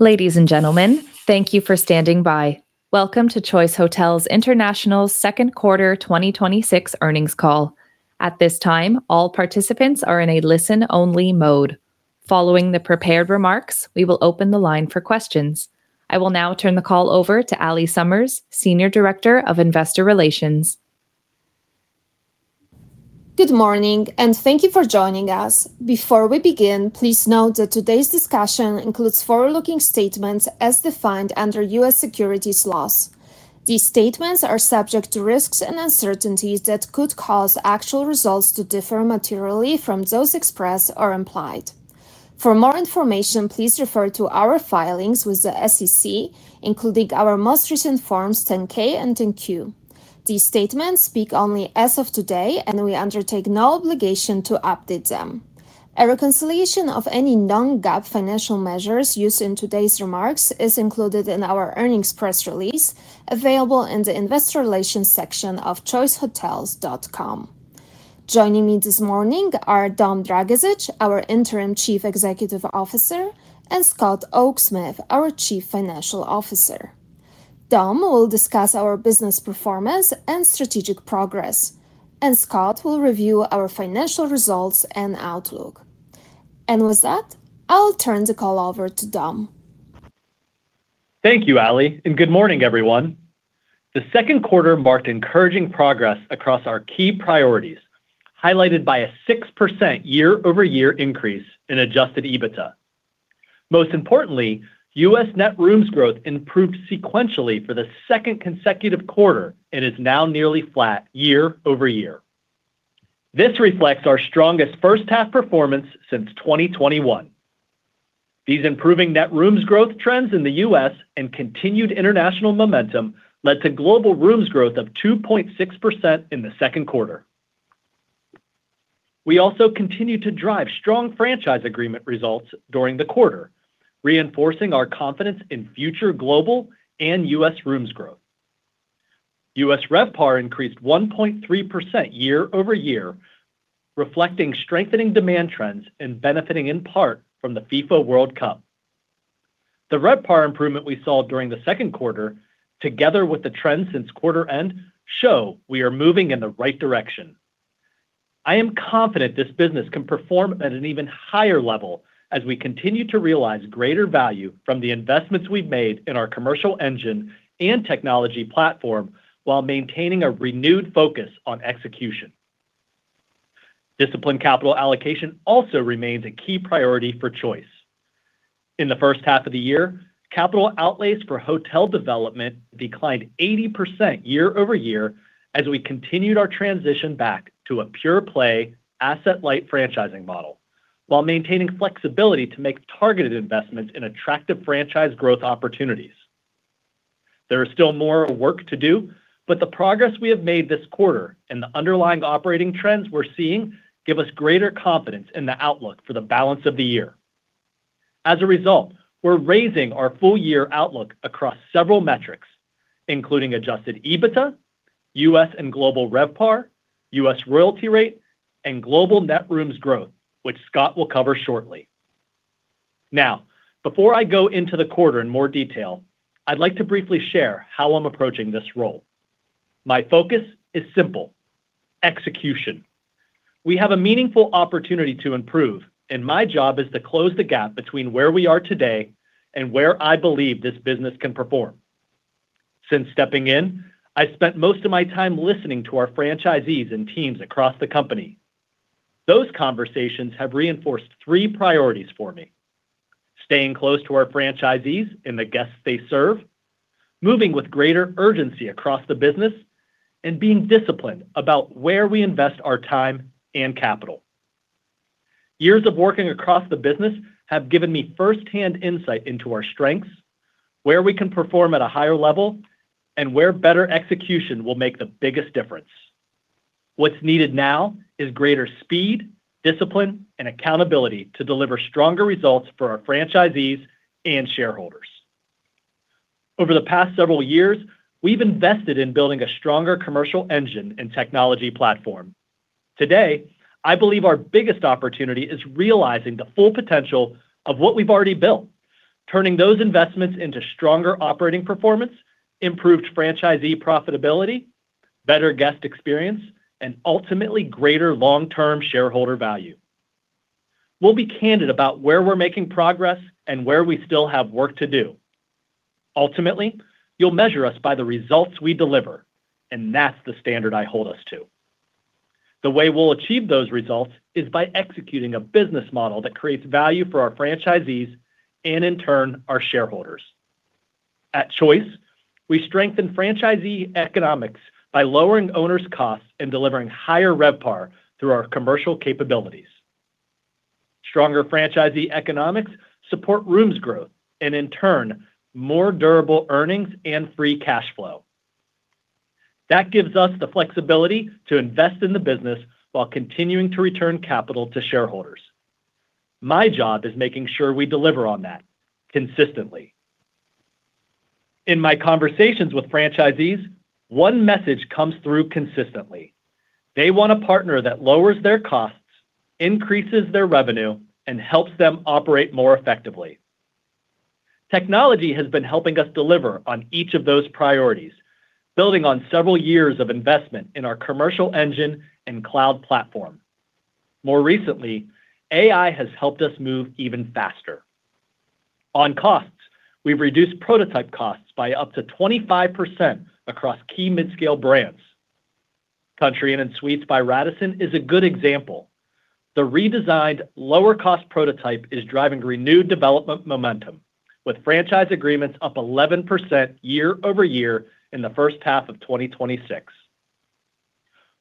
Ladies and gentlemen, thank you for standing by. Welcome to Choice Hotels International's second quarter 2026 earnings call. At this time, all participants are in a listen-only mode. Following the prepared remarks, we will open the line for questions. I will now turn the call over to Allie Summers, Senior Director of Investor Relations. Good morning, and thank you for joining us. Before we begin, please note that today's discussion includes forward-looking statements as defined under U.S. securities laws. These statements are subject to risks and uncertainties that could cause actual results to differ materially from those expressed or implied. For more information, please refer to our filings with the SEC, including our most recent Forms 10-K and 10-Q. These statements speak only as of today, and we undertake no obligation to update them. A reconciliation of any non-GAAP financial measures used in today's remarks is included in our earnings press release, available in the Investor Relations section of choicehotels.com. Joining me this morning are Dom Dragisich, our interim Chief Executive Officer, and Scott Oaksmith, our Chief Financial Officer. Dom will discuss our business performance and strategic progress, and Scott will review our financial results and outlook. With that, I'll turn the call over to Dom. Thank you, Allie. Good morning, everyone. The second quarter marked encouraging progress across our key priorities, highlighted by a 6% year-over-year increase in adjusted EBITDA. Most importantly, U.S. net rooms growth improved sequentially for the second consecutive quarter and is now nearly flat year-over-year. This reflects our strongest first-half performance since 2021. These improving net rooms growth trends in the U.S. and continued international momentum led to global rooms growth of 2.6% in the second quarter. We also continued to drive strong franchise agreement results during the quarter, reinforcing our confidence in future global and U.S. rooms growth. U.S. RevPAR increased 1.3% year-over-year, reflecting strengthening demand trends and benefiting in part from the FIFA World Cup. The RevPAR improvement we saw during the second quarter, together with the trend since quarter end, show we are moving in the right direction. I am confident this business can perform at an even higher level as we continue to realize greater value from the investments we've made in our commercial engine and technology platform while maintaining a renewed focus on execution. Disciplined capital allocation also remains a key priority for Choice. In the first half of the year, capital outlays for hotel development declined 80% year-over-year as we continued our transition back to a pure-play, asset-light franchising model while maintaining flexibility to make targeted investments in attractive franchise growth opportunities. There is still more work to do, but the progress we have made this quarter and the underlying operating trends we're seeing give us greater confidence in the outlook for the balance of the year. As a result, we're raising our full-year outlook across several metrics, including adjusted EBITDA, U.S. and global RevPAR, U.S. royalty rate, and global net rooms growth, which Scott will cover shortly. Now, before I go into the quarter in more detail, I'd like to briefly share how I'm approaching this role. My focus is simple: execution. We have a meaningful opportunity to improve, and my job is to close the gap between where we are today and where I believe this business can perform. Since stepping in, I spent most of my time listening to our franchisees and teams across the company. Those conversations have reinforced three priorities for me: staying close to our franchisees and the guests they serve, moving with greater urgency across the business, and being disciplined about where we invest our time and capital. Years of working across the business have given me firsthand insight into our strengths, where we can perform at a higher level, and where better execution will make the biggest difference. What's needed now is greater speed, discipline, and accountability to deliver stronger results for our franchisees and shareholders. Over the past several years, we've invested in building a stronger commercial engine and technology platform. Today, I believe our biggest opportunity is realizing the full potential of what we've already built, turning those investments into stronger operating performance, improved franchisee profitability, better guest experience, and ultimately greater long-term shareholder value. We'll be candid about where we're making progress and where we still have work to do. Ultimately, you'll measure us by the results we deliver, and that's the standard I hold us to. The way we'll achieve those results is by executing a business model that creates value for our franchisees and, in turn, our shareholders. At Choice, we strengthen franchisee economics by lowering owners' costs and delivering higher RevPAR through our commercial capabilities. Stronger franchisee economics support rooms growth, and in turn, more durable earnings and free cash flow. That gives us the flexibility to invest in the business while continuing to return capital to shareholders. My job is making sure we deliver on that consistently. In my conversations with franchisees, one message comes through consistently. They want a partner that lowers their costs, increases their revenue, and helps them operate more effectively. Technology has been helping us deliver on each of those priorities, building on several years of investment in our commercial engine and cloud platform. More recently, AI has helped us move even faster. On costs, we've reduced prototype costs by up to 25% across key mid-scale brands. Country Inn & Suites by Radisson is a good example. The redesigned lower cost prototype is driving renewed development momentum, with franchise agreements up 11% year-over-year in the first half of 2026.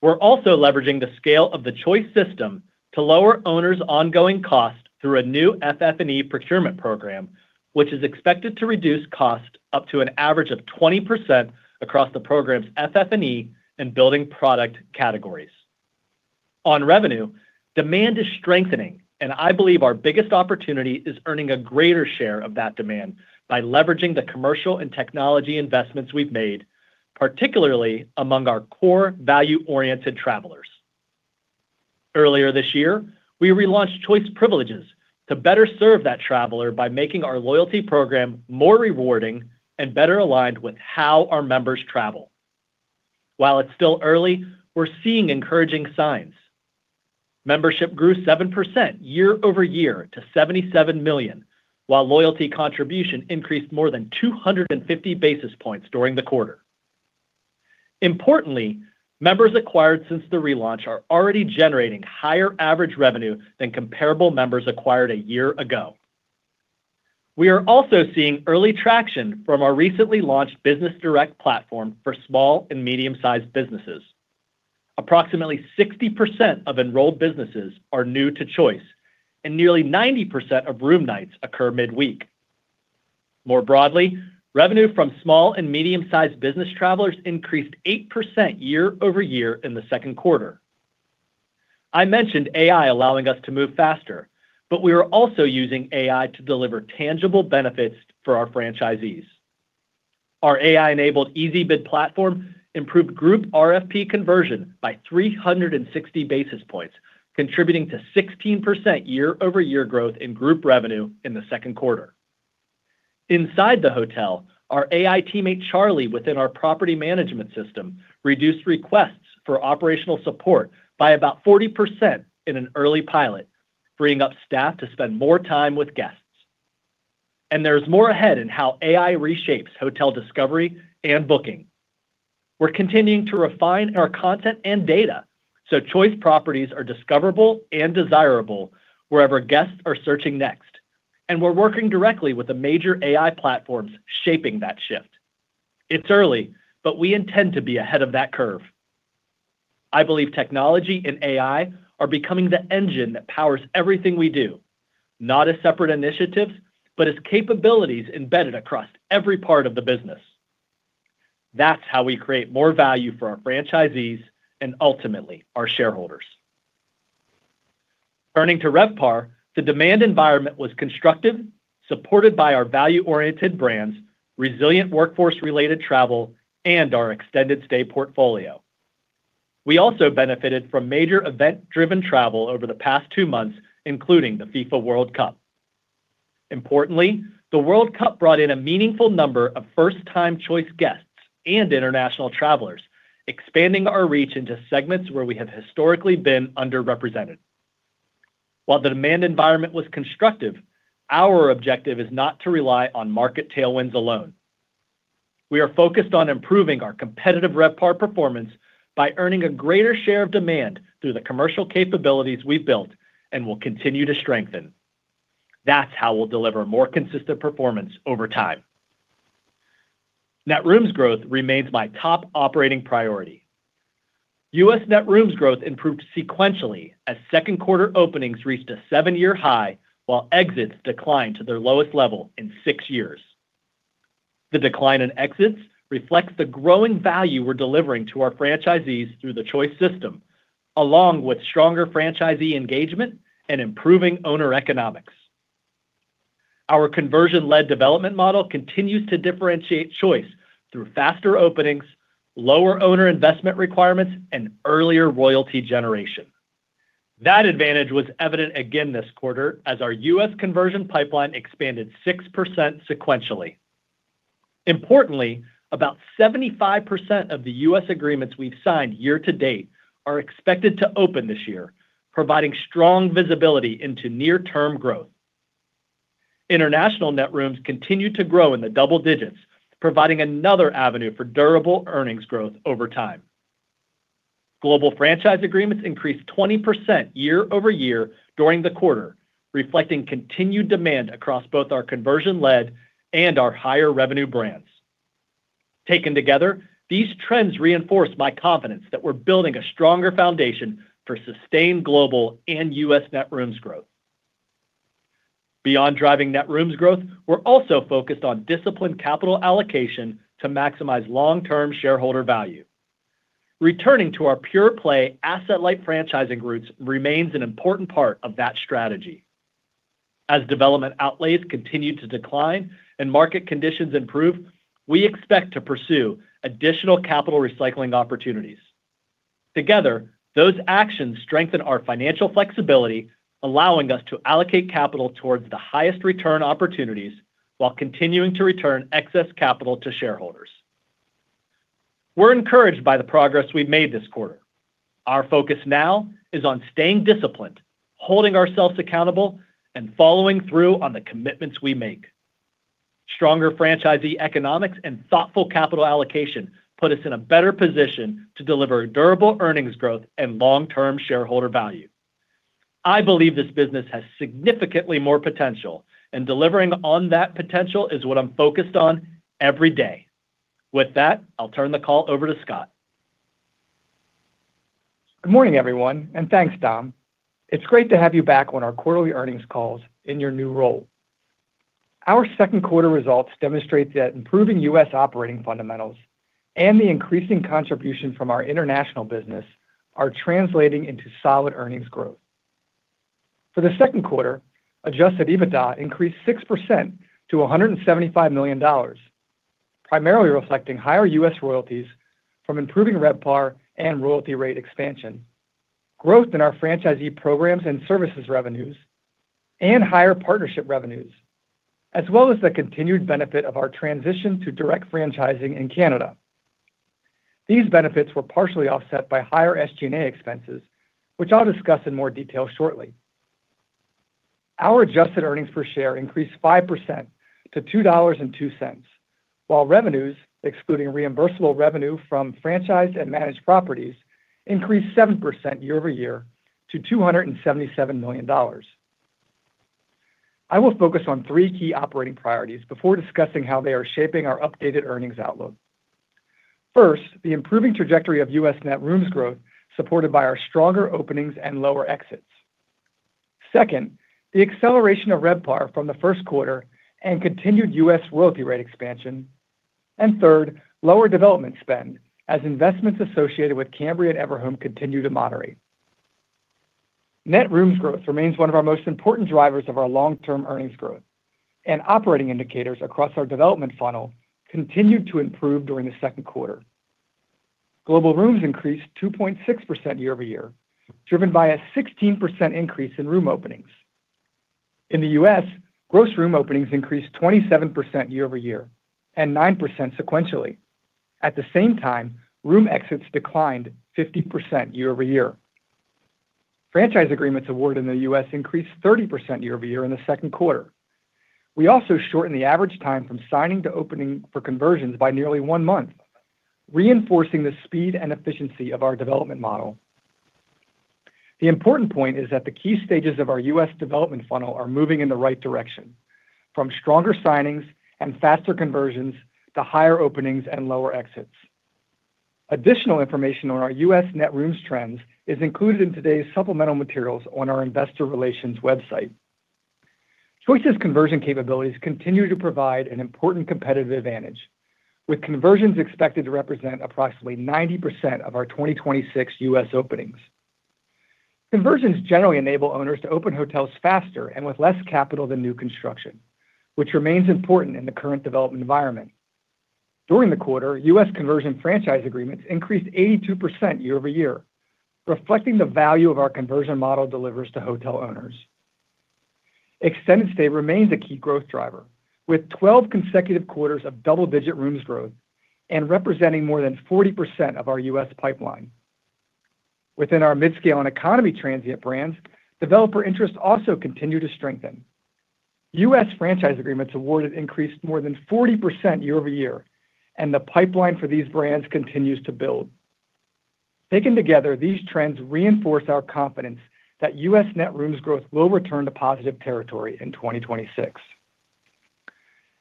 We're also leveraging the scale of the Choice system to lower owners' ongoing costs through a new FF&E procurement program, which is expected to reduce cost up to an average of 20% across the program's FF&E and building product categories. On revenue, demand is strengthening. I believe our biggest opportunity is earning a greater share of that demand by leveraging the commercial and technology investments we've made, particularly among our core value-oriented travelers. Earlier this year, we relaunched Choice Privileges to better serve that traveler by making our loyalty program more rewarding and better aligned with how our members travel. While it's still early, we're seeing encouraging signs. Membership grew 7% year-over-year to 77 million, while loyalty contribution increased more than 250 basis points during the quarter. Importantly, members acquired since the relaunch are already generating higher average revenue than comparable members acquired a year ago. We are also seeing early traction from our recently launched Business Direct platform for small and medium-sized businesses. Approximately 60% of enrolled businesses are new to Choice. Nearly 90% of room nights occur midweek. More broadly, revenue from small and medium-sized business travelers increased 8% year-over-year in the second quarter. I mentioned AI allowing us to move faster. We are also using AI to deliver tangible benefits for our franchisees. Our AI-enabled EasyBid platform improved group RFP conversion by 360 basis points, contributing to 16% year-over-year growth in group revenue in the second quarter. Inside the hotel, our AI teammate CHARLIE within our property management system reduced requests for operational support by about 40% in an early pilot, freeing up staff to spend more time with guests. There's more ahead in how AI reshapes hotel discovery and booking. We're continuing to refine our content and data so Choice properties are discoverable and desirable wherever guests are searching next. We're working directly with the major AI platforms shaping that shift. It's early, we intend to be ahead of that curve. I believe technology and AI are becoming the engine that powers everything we do, not as separate initiatives, but as capabilities embedded across every part of the business. That's how we create more value for our franchisees and ultimately our shareholders. Turning to RevPAR, the demand environment was constructive, supported by our value-oriented brands, resilient workforce-related travel, and our Extended Stay portfolio. We also benefited from major event-driven travel over the past two months, including the FIFA World Cup. Importantly, the World Cup brought in a meaningful number of first-time Choice guests and international travelers, expanding our reach into segments where we have historically been underrepresented. While the demand environment was constructive, our objective is not to rely on market tailwinds alone. We are focused on improving our competitive RevPAR performance by earning a greater share of demand through the commercial capabilities we've built and will continue to strengthen. That's how we'll deliver more consistent performance over time. Net rooms growth remains my top operating priority. U.S. net rooms growth improved sequentially as second quarter openings reached a seven-year high, while exits declined to their lowest level in six years. The decline in exits reflects the growing value we're delivering to our franchisees through the Choice system, along with stronger franchisee engagement and improving owner economics. Our conversion-led development model continues to differentiate Choice through faster openings, lower owner investment requirements, and earlier royalty generation. That advantage was evident again this quarter as our U.S. conversion pipeline expanded 6% sequentially. Importantly, about 75% of the U.S. agreements we've signed year-to-date are expected to open this year, providing strong visibility into near-term growth. International net rooms continue to grow in the double digits, providing another avenue for durable earnings growth over time. Global franchise agreements increased 20% year-over-year during the quarter, reflecting continued demand across both our conversion-led and our higher-revenue brands. Taken together, these trends reinforce my confidence that we're building a stronger foundation for sustained global and U.S. net rooms growth. Beyond driving net rooms growth, we're also focused on disciplined capital allocation to maximize long-term shareholder value. Returning to our pure-play asset-light franchising roots remains an important part of that strategy. As development outlays continue to decline and market conditions improve, we expect to pursue additional capital recycling opportunities. Together, those actions strengthen our financial flexibility, allowing us to allocate capital towards the highest return opportunities while continuing to return excess capital to shareholders. We're encouraged by the progress we've made this quarter. Our focus now is on staying disciplined, holding ourselves accountable, and following through on the commitments we make. Stronger franchisee economics and thoughtful capital allocation put us in a better position to deliver durable earnings growth and long-term shareholder value. I believe this business has significantly more potential, and delivering on that potential is what I'm focused on every day. With that, I'll turn the call over to Scott. Good morning, everyone, and thanks, Dom. It's great to have you back on our quarterly earnings calls in your new role. Our second quarter results demonstrate that improving U.S. operating fundamentals and the increasing contribution from our international business are translating into solid earnings growth. For the second quarter, adjusted EBITDA increased 6% to $175 million, primarily reflecting higher U.S. royalties from improving RevPAR and royalty rate expansion, growth in our franchisee programs and services revenues, and higher partnership revenues, as well as the continued benefit of our transition to direct franchising in Canada. These benefits were partially offset by higher SG&A expenses, which I'll discuss in more detail shortly. Our adjusted earnings per share increased 5% to $2.02, while revenues, excluding reimbursable revenue from franchised and managed properties, increased 7% year-over-year to $277 million. I will focus on three key operating priorities before discussing how they are shaping our updated earnings outlook. First, the improving trajectory of U.S. net rooms growth, supported by our stronger openings and lower exits. Second, the acceleration of RevPAR from the first quarter and continued U.S. royalty rate expansion. Third, lower development spend as investments associated with Cambria and Everhome continue to moderate. Net rooms growth remains one of our most important drivers of our long-term earnings growth, and operating indicators across our development funnel continued to improve during the second quarter. Global rooms increased 2.6% year-over-year, driven by a 16% increase in room openings. In the U.S., gross room openings increased 27% year-over-year and 9% sequentially. At the same time, room exits declined 50% year-over-year. Franchise agreements awarded in the U.S. increased 30% year-over-year in the second quarter. We also shortened the average time from signing to opening for conversions by nearly one month, reinforcing the speed and efficiency of our development model. The important point is that the key stages of our U.S. development funnel are moving in the right direction, from stronger signings and faster conversions to higher openings and lower exits. Additional information on our U.S. net rooms trends is included in today's supplemental materials on our investor relations website. Choice's conversion capabilities continue to provide an important competitive advantage, with conversions expected to represent approximately 90% of our 2026 U.S. openings. Conversions generally enable owners to open hotels faster and with less capital than new construction, which remains important in the current development environment. During the quarter, U.S. conversion franchise agreements increased 82% year-over-year, reflecting the value of our conversion model delivers to hotel owners. Extended Stay remains a key growth driver, with 12 consecutive quarters of double-digit rooms growth and representing more than 40% of our U.S. pipeline. Within our midscale and economy transient brands, developer interest also continued to strengthen. U.S. franchise agreements awarded increased more than 40% year-over-year, and the pipeline for these brands continues to build. Taken together, these trends reinforce our confidence that U.S. net rooms growth will return to positive territory in 2026.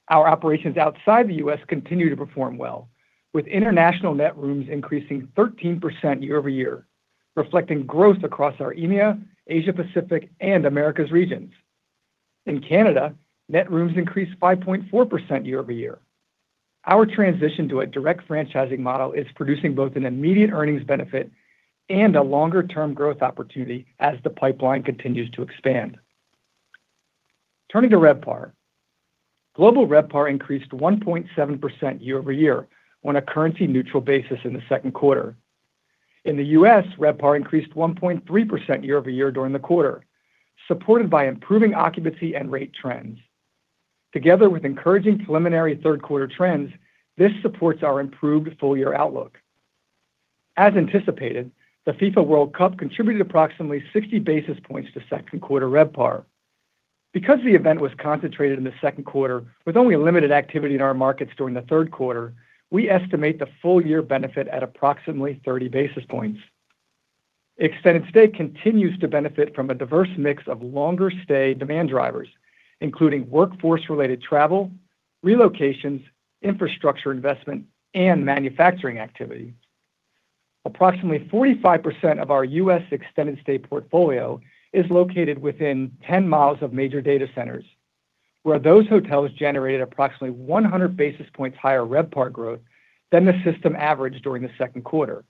Our operations outside the U.S. continue to perform well, with international net rooms increasing 13% year-over-year, reflecting growth across our EMEA, Asia-Pacific, and Americas regions. In Canada, net rooms increased 5.4% year-over-year. Our transition to a direct franchising model is producing both an immediate earnings benefit and a longer-term growth opportunity as the pipeline continues to expand. Turning to RevPAR. Global RevPAR increased 1.7% year-over-year on a currency neutral basis in the second quarter. In the U.S., RevPAR increased 1.3% year-over-year during the quarter, supported by improving occupancy and rate trends. Together with encouraging preliminary third quarter trends, this supports our improved full-year outlook. As anticipated, the FIFA World Cup contributed approximately 60 basis points to second quarter RevPAR. Because the event was concentrated in the second quarter with only limited activity in our markets during the third quarter, we estimate the full-year benefit at approximately 30 basis points. Extended Stay continues to benefit from a diverse mix of longer stay demand drivers, including workforce related travel, relocations, infrastructure investment, and manufacturing activity. Approximately 45% of our U.S. Extended Stay portfolio is located within 10 miles of major data centers. Where those hotels generated approximately 100 basis points higher RevPAR growth than the system average during the second quarter.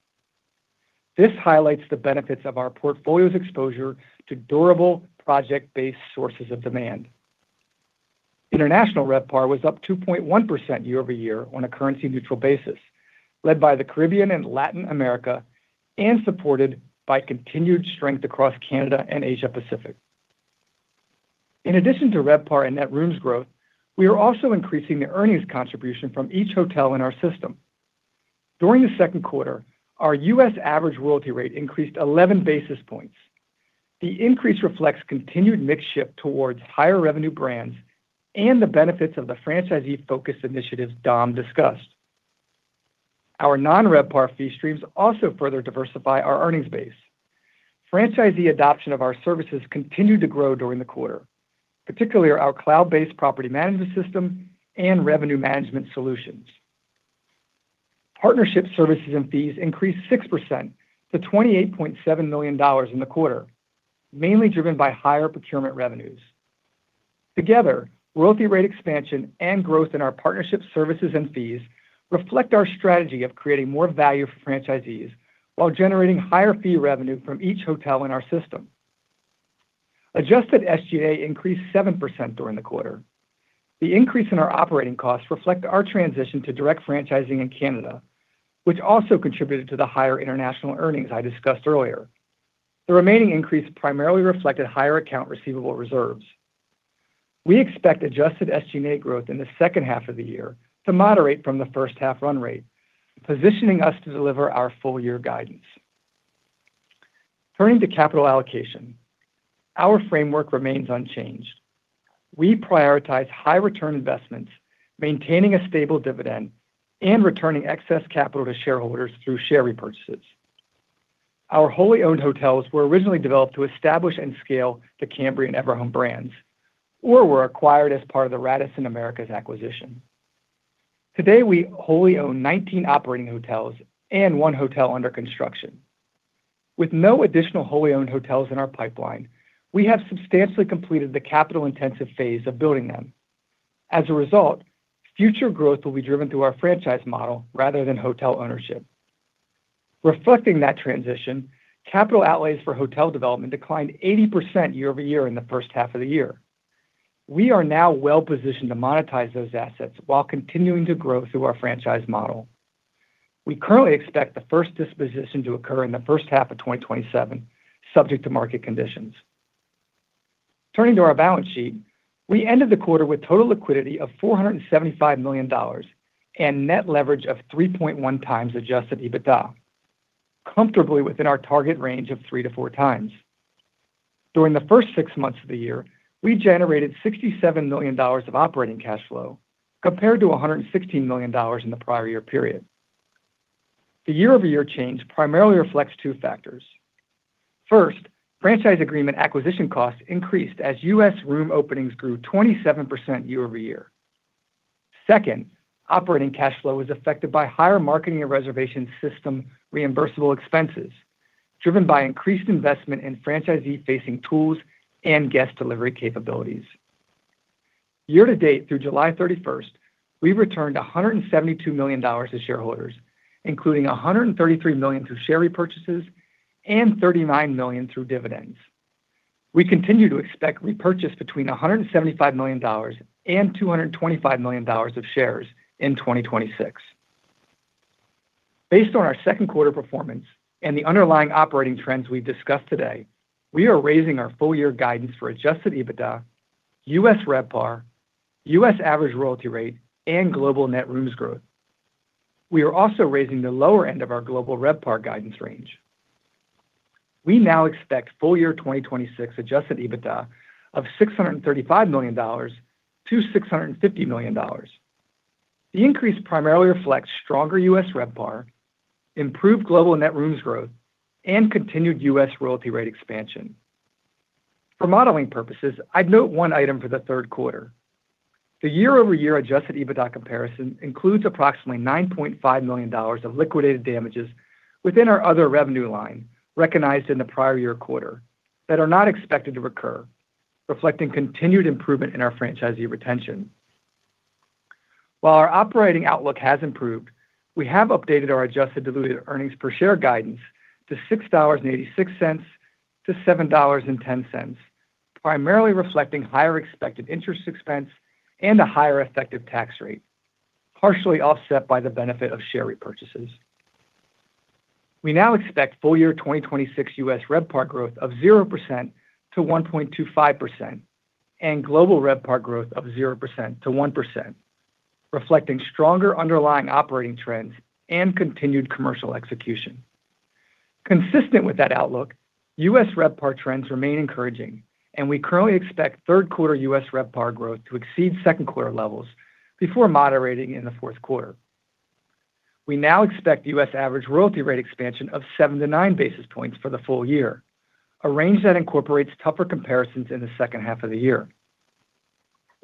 This highlights the benefits of our portfolio's exposure to durable project-based sources of demand. International RevPAR was up 2.1% year-over-year on a currency-neutral basis, led by the Caribbean and Latin America, and supported by continued strength across Canada and Asia-Pacific. In addition to RevPAR and net rooms growth, we are also increasing the earnings contribution from each hotel in our system. During the second quarter, our U.S. average royalty rate increased 11 basis points. The increase reflects continued mix shift towards higher revenue brands and the benefits of the franchisee focus initiatives Dom discussed. Our non-RevPAR fee streams also further diversify our earnings base. Franchisee adoption of our services continued to grow during the quarter, particularly our cloud-based property management system and revenue management solutions. Partnership services and fees increased 6% to $28.7 million in the quarter, mainly driven by higher procurement revenues. Together, royalty rate expansion and growth in our partnership services and fees reflect our strategy of creating more value for franchisees while generating higher fee revenue from each hotel in our system. Adjusted SG&A increased 7% during the quarter. The increase in our operating costs reflect our transition to direct franchising in Canada, which also contributed to the higher international earnings I discussed earlier. The remaining increase primarily reflected higher account receivable reserves. We expect adjusted SG&A growth in the second half of the year to moderate from the first half run rate, positioning us to deliver our full-year guidance. Turning to capital allocation, our framework remains unchanged. We prioritize high return investments, maintaining a stable dividend, and returning excess capital to shareholders through share repurchases. Our wholly owned hotels were originally developed to establish and scale the Cambria Everhome brands or were acquired as part of the Radisson Americas acquisition. Today, we wholly own 19 operating hotels and one hotel under construction. With no additional wholly owned hotels in our pipeline, we have substantially completed the capital-intensive phase of building them. As a result, future growth will be driven through our franchise model rather than hotel ownership. Reflecting that transition, capital outlays for hotel development declined 80% year-over-year in the first half of the year. We are now well-positioned to monetize those assets while continuing to grow through our franchise model. We currently expect the first disposition to occur in the first half of 2027, subject to market conditions. Turning to our balance sheet, we ended the quarter with total liquidity of $475 million and net leverage of 3.1x adjusted EBITDA, comfortably within our target range of 3x-4x. During the first six months of the year, we generated $67 million of operating cash flow compared to $116 million in the prior year period. The year-over-year change primarily reflects two factors. First, franchise agreement acquisition costs increased as U.S. room openings grew 27% year-over-year. Second, operating cash flow was affected by higher marketing and reservation system reimbursable expenses driven by increased investment in franchisee-facing tools and guest delivery capabilities. Year-to-date, through July 31st, we've returned $172 million to shareholders, including $133 million through share repurchases and $39 million through dividends. We continue to expect repurchase between $175 million and $225 million of shares in 2026. Based on our second quarter performance and the underlying operating trends we've discussed today, we are raising our full-year guidance for adjusted EBITDA, U.S. RevPAR, U.S. average royalty rate, and global net rooms growth. We are also raising the lower end of our global RevPAR guidance range. We now expect full-year 2026 adjusted EBITDA of $635 million-$650 million. The increase primarily reflects stronger U.S. RevPAR, improved global net rooms growth, and continued U.S. royalty rate expansion. For modeling purposes, I'd note one item for the third quarter. The year-over-year adjusted EBITDA comparison includes approximately $9.5 million of liquidated damages within our other revenue line recognized in the prior year quarter that are not expected to recur, reflecting continued improvement in our franchisee retention. While our operating outlook has improved, we have updated our adjusted diluted earnings per share guidance to $6.86-$7.10, primarily reflecting higher expected interest expense and a higher effective tax rate, partially offset by the benefit of share repurchases. We now expect full-year 2026 U.S. RevPAR growth of 0%-1.25% and global RevPAR growth of 0%-1%, reflecting stronger underlying operating trends and continued commercial execution. Consistent with that outlook, U.S. RevPAR trends remain encouraging, and we currently expect third quarter U.S. RevPAR growth to exceed second quarter levels before moderating in the fourth quarter. We now expect U.S. average royalty rate expansion of 7-9 basis points for the full-year, a range that incorporates tougher comparisons in the second half of the year.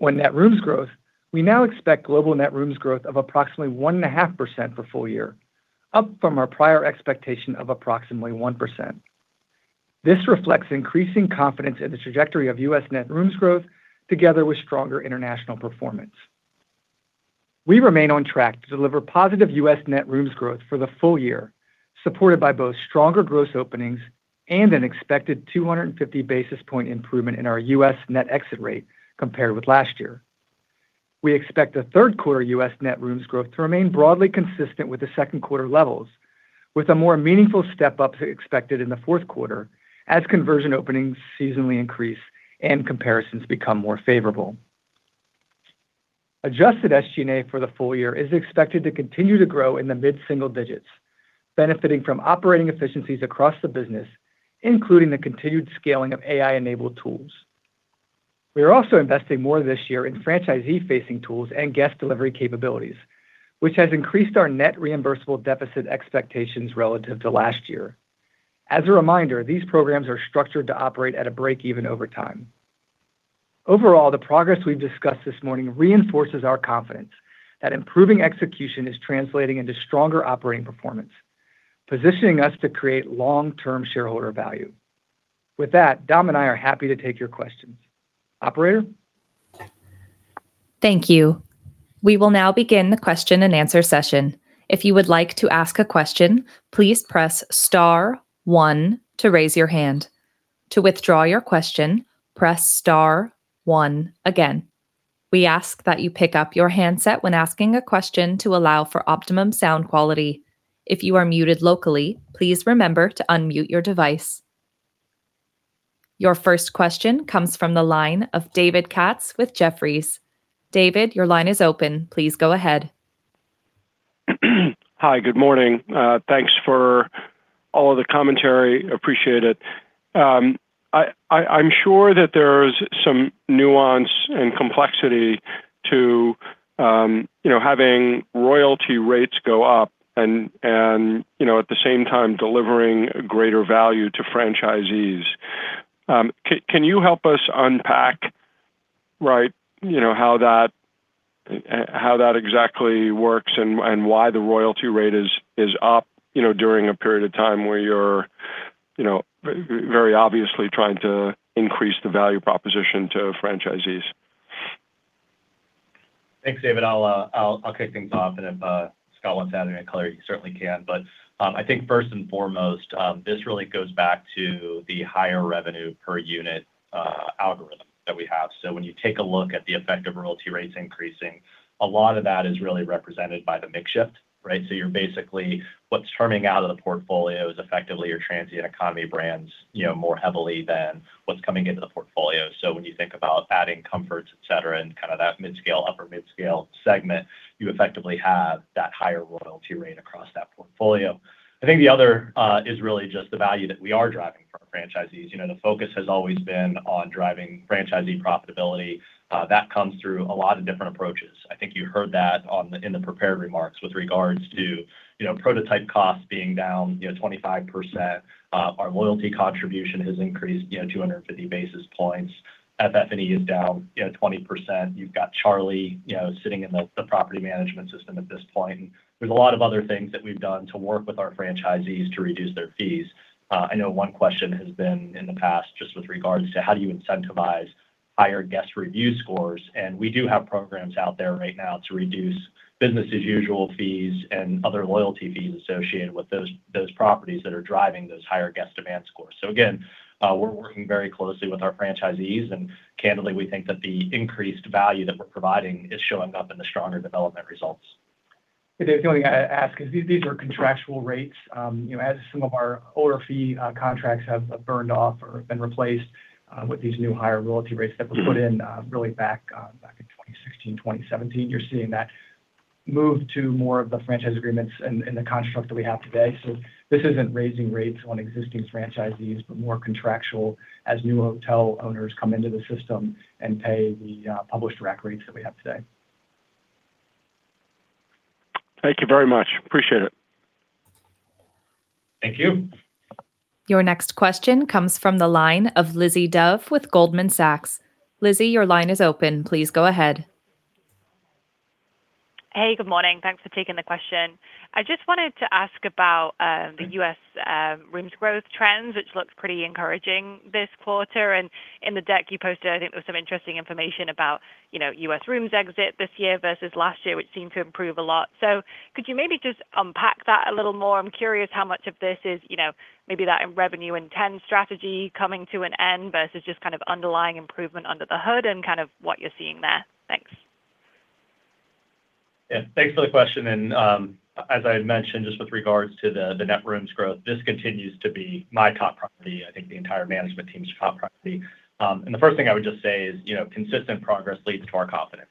On net rooms growth, we now expect global net rooms growth of approximately 1.5% for full-year, up from our prior expectation of approximately 1%. This reflects increasing confidence in the trajectory of U.S. net rooms growth together with stronger international performance. We remain on track to deliver positive U.S. net rooms growth for the full-year, supported by both stronger gross openings and an expected 250 basis points improvement in our U.S. net exit rate compared with last year. We expect the third quarter U.S. net rooms growth to remain broadly consistent with the second quarter levels, with a more meaningful step-up expected in the fourth quarter as conversion openings seasonally increase and comparisons become more favorable. Adjusted SG&A for the full-year is expected to continue to grow in the mid-single digits, benefiting from operating efficiencies across the business, including the continued scaling of AI-enabled tools. We are also investing more this year in franchisee-facing tools and guest delivery capabilities, which has increased our net reimbursable deficit expectations relative to last year. As a reminder, these programs are structured to operate at a break-even over time. Overall, the progress we've discussed this morning reinforces our confidence that improving execution is translating into stronger operating performance, positioning us to create long-term shareholder value. With that, Dom and I are happy to take your questions. Operator? Thank you. We will now begin the question-and-answer session. If you would like to ask a question, please press star one to raise your hand. To withdraw your question, press star one again. We ask that you pick up your handset when asking a question to allow for optimum sound quality. If you are muted locally, please remember to unmute your device. Your first question comes from the line of David Katz with Jefferies. David, your line is open. Please go ahead. Hi, good morning. Thanks for all of the commentary, appreciate it. I'm sure that there's some nuance and complexity to having royalty rates go up and at the same time delivering greater value to franchisees. Can you help us unpack how that exactly works and why the royalty rate is up during a period of time where you're very obviously trying to increase the value proposition to franchisees? Thanks, David. I'll kick things off, and if Scott wants to add anything, he certainly can. I think first and foremost, this really goes back to the higher revenue per unit algorithm that we have. When you take a look at the effect of royalty rates increasing, a lot of that is really represented by the mix shift, right? Basically what's churning out of the portfolio is effectively your transient economy brands more heavily than what's coming into the portfolio. When you think about adding Comfort, etc, and that mid-scale, upper mid-scale segment, you effectively have that higher royalty rate across that portfolio. I think the other is really just the value that we are driving for our franchisees. The focus has always been on driving franchisee profitability. That comes through a lot of different approaches. I think you heard that in the prepared remarks with regards to prototype costs being down 25%, our loyalty contribution has increased 250 basis points. FF&E is down 20%. You've got CHARLIE sitting in the property management system at this point. There's a lot of other things that we've done to work with our franchisees to reduce their fees. I know one question has been in the past, just with regards to how do you incentivize higher guest review scores, and we do have programs out there right now to reduce business as usual fees and other loyalty fees associated with those properties that are driving those higher guest demand scores. Again, we're working very closely with our franchisees, and candidly, we think that the increased value that we're providing is showing up in the stronger development results. If I could ask, because these are contractual rates. As some of our older fee contracts have burned off or have been replaced with these new higher royalty rates that were put in really back in 2016, 2017. You're seeing that move to more of the franchise agreements in the construct that we have today. This isn't raising rates on existing franchisees, but more contractual as new hotel owners come into the system and pay the published rack rates that we have today. Thank you very much. Appreciate it. Thank you. Your next question comes from the line of Lizzie Dove with Goldman Sachs. Lizzie, your line is open. Please go ahead. Good morning, and thanks for taking the question. I just wanted to ask about the U.S. rooms growth trends, which looked pretty encouraging this quarter, and in the deck you posted, I think there was some interesting information about U.S. rooms exit this year versus last year, which seemed to improve a lot. Could you maybe just unpack that a little more? I'm curious how much of this is maybe that revenue intense strategy coming to an end versus just kind of underlying improvement under the hood and kind of what you're seeing there? Thanks. Thanks for the question. As I had mentioned, just with regards to the net rooms growth, this continues to be my top priority, I think the entire management team's top priority. The first thing I would just say is consistent progress leads to our confidence.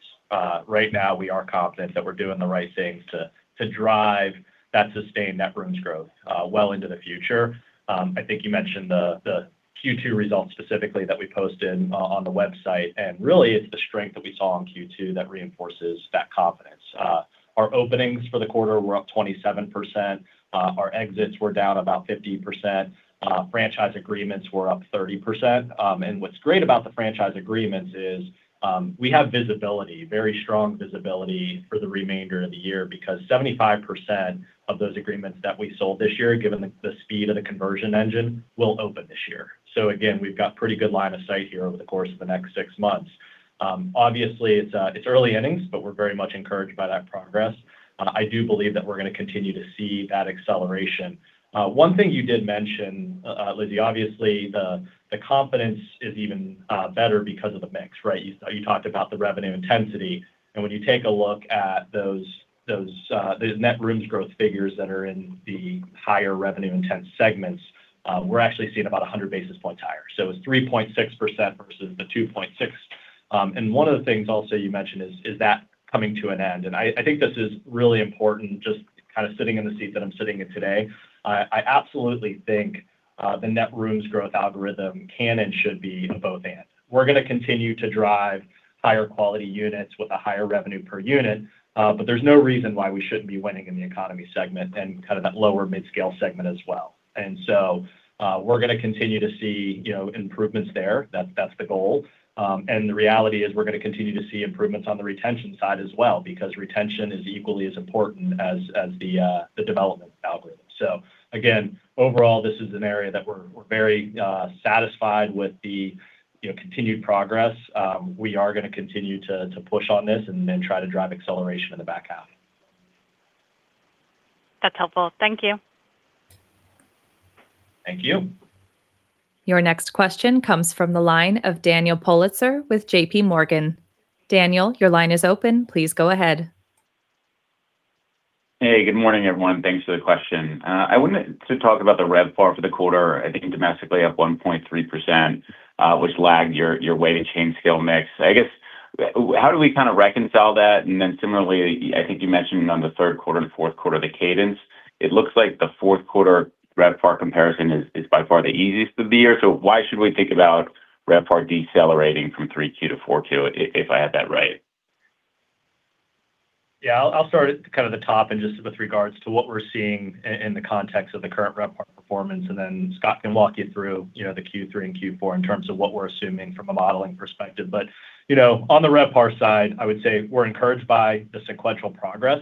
Right now we are confident that we're doing the right things to drive that sustained net rooms growth well into the future. I think you mentioned the Q2 results specifically that we posted on the website, really it's the strength that we saw in Q2 that reinforces that confidence. Our openings for the quarter were up 27%, our exits were down about 50%, franchise agreements were up 30%. What's great about the franchise agreements is we have visibility, very strong visibility for the remainder of the year because 75% of those agreements that we sold this year, given the speed of the conversion engine, will open this year. Again, we've got pretty good line of sight here over the course of the next six months. Obviously, it's early innings, but we're very much encouraged by that progress. I do believe that we're going to continue to see that acceleration. One thing you did mention, Lizzie, obviously the confidence is even better because of the mix, right? You talked about the revenue intensity. When you take a look at those net rooms growth figures that are in the higher revenue intense segments, we're actually seeing about 100 basis points higher. It's 3.6% versus the 2.6%. One of the things also you mentioned is that coming to an end. I think this is really important, just sitting in the seat that I'm sitting in today. I absolutely think the net rooms growth algorithm can and should be a both/and. We're going to continue to drive higher quality units with a higher revenue per unit. There's no reason why we shouldn't be winning in the economy segment and that lower mid-scale segment as well. We're going to continue to see improvements there. That's the goal. The reality is we're going to continue to see improvements on the retention side as well, because retention is equally as important as the development algorithm. Again, overall, this is an area that we're very satisfied with the continued progress. We are going to continue to push on this and then try to drive acceleration in the back half. That's helpful. Thank you. Thank you. Your next question comes from the line of Daniel Politzer with JPMorgan. Daniel, your line is open. Please go ahead. Good morning, everyone. Thanks for the question. I wanted to talk about the RevPAR for the quarter, I think domestically up 1.3%, which lagged your weighted chain scale mix. I guess, how do we reconcile that? Similarly, I think you mentioned on the third quarter and fourth quarter the cadence. It looks like the fourth quarter RevPAR comparison is by far the easiest of the year. Why should we think about RevPAR decelerating from Q3 to Q4, if I have that right? Yeah, I'll start at the top and just with regards to what we're seeing in the context of the current RevPAR performance, then Scott can walk you through the Q3 and Q4 in terms of what we're assuming from a modeling perspective. On the RevPAR side, I would say we're encouraged by the sequential progress.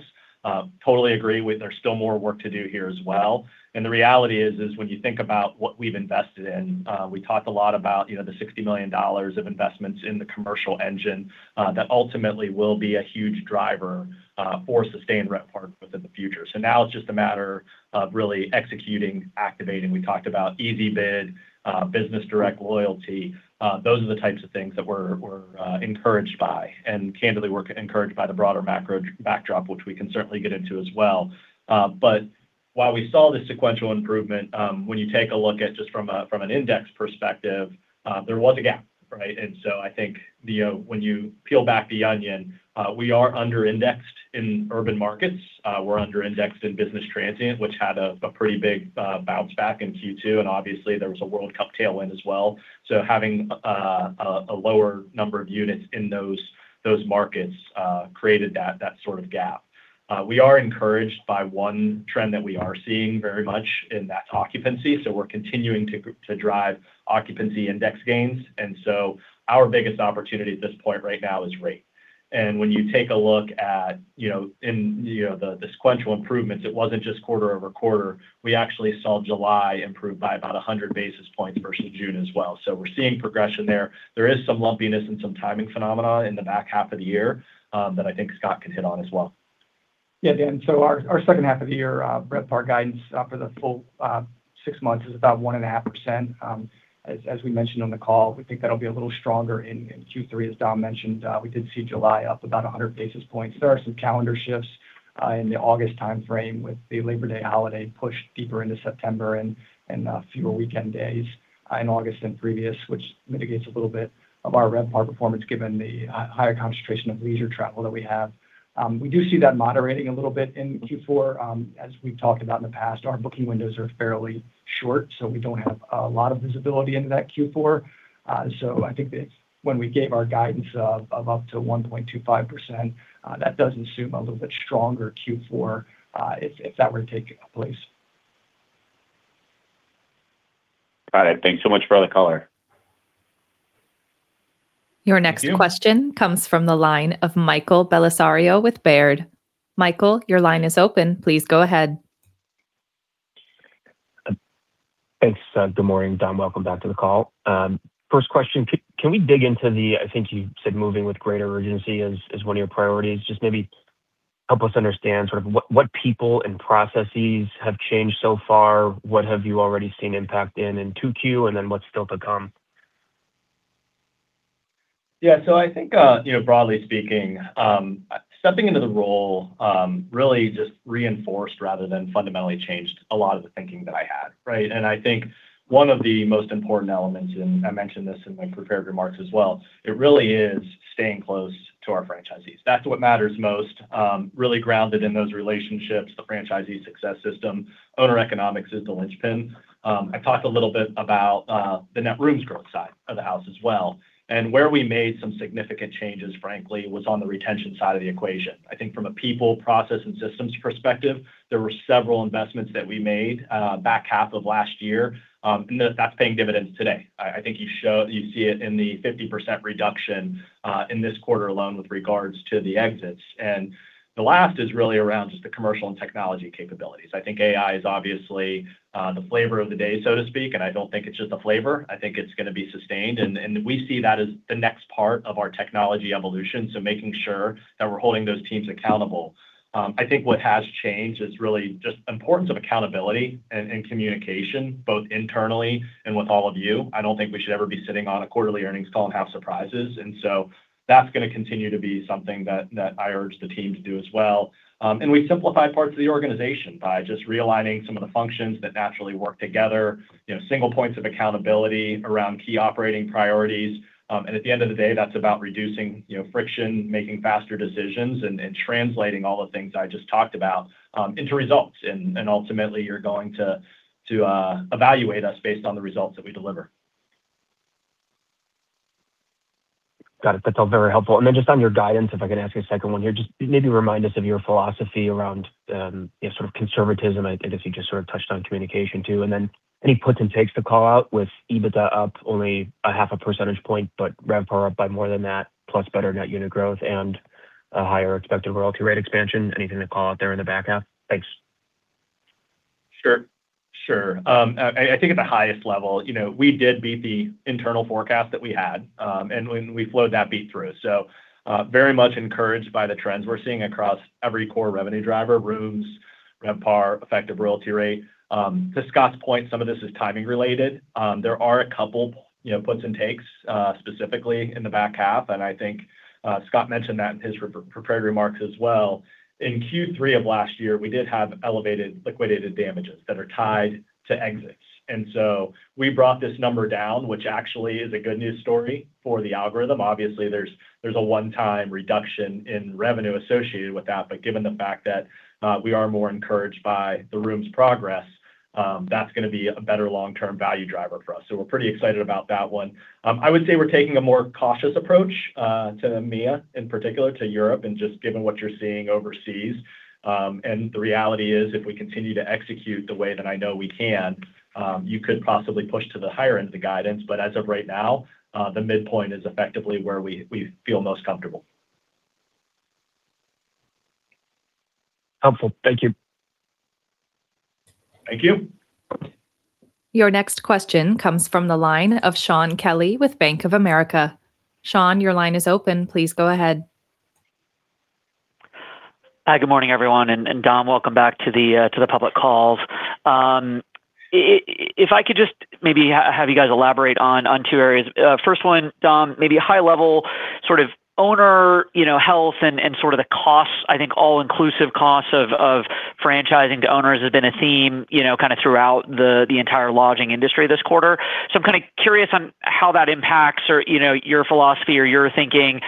Totally agree with there's still more work to do here as well. The reality is when you think about what we've invested in, we talked a lot about the $60 million of investments in the commercial engine, that ultimately will be a huge driver for sustained RevPAR within the future. Now it's just a matter of really executing, activating. We talked about EasyBid, Business Direct Loyalty. Those are the types of things that we're encouraged by. Candidly, we're encouraged by the broader macro backdrop, which we can certainly get into as well. While we saw the sequential improvement, when you take a look at just from an index perspective, there was a gap, right? I think when you peel back the onion, we are under-indexed in urban markets. We're under-indexed in business transient, which had a pretty big bounce back in Q2, and obviously there was a World Cup tailwind as well. Having a lower number of units in those markets created that sort of gap. We are encouraged by one trend that we are seeing very much in that occupancy, we're continuing to drive occupancy index gains. Our biggest opportunity at this point right now is rate. When you take a look at the sequential improvements, it wasn't just quarter-over-quarter. We actually saw July improve by about 100 basis points versus June as well. We're seeing progression there. There is some lumpiness and some timing phenomena in the back half of the year that I think Scott can hit on as well. Yeah, Dan, our second half of the year RevPAR guidance for the full six months is about 1.5%. As we mentioned on the call, we think that'll be a little stronger in Q3. As Dom mentioned, we did see July up about 100 basis points. There are some calendar shifts in the August timeframe with the Labor Day holiday pushed deeper into September and fewer weekend days in August than previous, which mitigates a little bit of our RevPAR performance given the higher concentration of leisure travel that we have. We do see that moderating a little bit in Q4. As we've talked about in the past, our booking windows are fairly short, so we don't have a lot of visibility into that Q4. I think when we gave our guidance of up to 1.25%, that does assume a little bit stronger Q4, if that were to take place. Got it. Thanks so much for all the color. Thank you. Your next question comes from the line of Michael Bellisario with Baird. Michael, your line is open. Please go ahead. Thanks. Good morning, Dom. Welcome back to the call. First question, can we dig into the, I think you said moving with greater urgency is one of your priorities. Just maybe help us understand what people and processes have changed so far, what have you already seen impact in Q2, and what's still to come? Yeah. I think broadly speaking, stepping into the role really just reinforced rather than fundamentally changed a lot of the thinking that I had, right? I think one of the most important elements, and I mentioned this in my prepared remarks as well, it really is staying close to our franchisees. That's what matters most, really grounded in those relationships, the franchisee success system, owner economics is the linchpin. I talked a little bit about the net rooms growth side of the house as well, and where we made some significant changes, frankly, was on the retention side of the equation. I think from a people, process, and systems perspective, there were several investments that we made back half of last year, and that's paying dividends today. I think you see it in the 50% reduction in this quarter alone with regards to the exits. The last is really around just the commercial and technology capabilities. I think AI is obviously the flavor of the day, so to speak, and I don't think it's just a flavor. I think it's going to be sustained, and we see that as the next part of our technology evolution, so making sure that we're holding those teams accountable. I think what has changed is really just importance of accountability and communication, both internally and with all of you. I don't think we should ever be sitting on a quarterly earnings call and have surprises. That's going to continue to be something that I urge the team to do as well. We simplified parts of the organization by just realigning some of the functions that naturally work together, single points of accountability around key operating priorities. At the end of the day, that's about reducing friction, making faster decisions, and translating all the things I just talked about into results. Ultimately, you're going to evaluate us based on the results that we deliver. Got it. That's all very helpful. Just on your guidance, if I could ask a second one here, just maybe remind us of your philosophy around and sort of conservatism. I think you just sort of touched on communication too. Any puts and takes to call out with EBITDA up only 0.5 percentage point, but RevPAR up by more than that, plus better net unit growth and a higher expected royalty rate expansion. Anything to call out there in the back half? Thanks. Sure. I think at the highest level we did beat the internal forecast that we had, and when we flowed that beat through. Very much encouraged by the trends we're seeing across every core revenue driver, rooms, RevPAR, effective royalty rate. To Scott's point, some of this is timing related. There are a couple puts and takes, specifically in the back half, and I think Scott mentioned that in his prepared remarks as well. In Q3 of last year, we did have elevated liquidated damages that are tied to exits. We brought this number down, which actually is a good news story for the algorithm. Obviously, there's a one-time reduction in revenue associated with that. Given the fact that we are more encouraged by the rooms progress, that's going to be a better long-term value driver for us. We're pretty excited about that one. I would say we're taking a more cautious approach, to EMEA in particular, to Europe, and just given what you're seeing overseas. The reality is, if we continue to execute the way that I know we can, you could possibly push to the higher end of the guidance. As of right now, the midpoint is effectively where we feel most comfortable. Helpful. Thank you. Thank you. Your next question comes from the line of Shaun Kelley with Bank of America. Shaun, your line is open. Please go ahead. Hi, good morning, everyone, Dom, welcome back to the public calls. If I could just maybe have you guys elaborate on two areas. First one, Dom, maybe a high level sort of owner health and sort of the costs. I think all-inclusive costs of franchising to owners has been a theme kind of throughout the entire lodging industry this quarter. I'm kind of curious on how that impacts your philosophy or your thinking,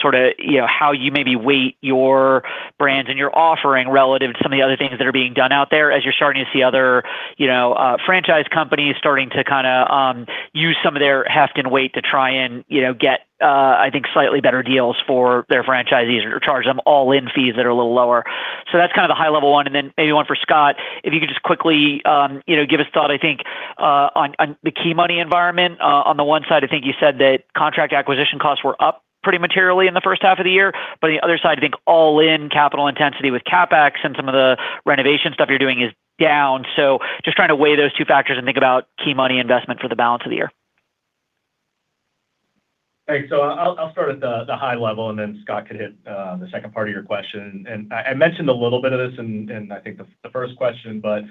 sort of how you maybe weight your brands and your offering relative to some of the other things that are being done out there as you're starting to see other franchise companies starting to kind of use some of their heft and weight to try and get I think slightly better deals for their franchisees or charge them all-in fees that are a little lower. That's kind of the high level one, and then maybe one for Scott, if you could just quickly give us thought, I think on the key money environment. On the one side, I think you said that contract acquisition costs were up pretty materially in the first half of the year, but on the other side, I think all in capital intensity with CapEx and some of the renovation stuff you're doing is down. Just trying to weigh those two factors and think about key money investment for the balance of the year. Thanks. I'll start at the high level, and then Scott could hit the second part of your question. I mentioned a little bit of this in I think the first question, but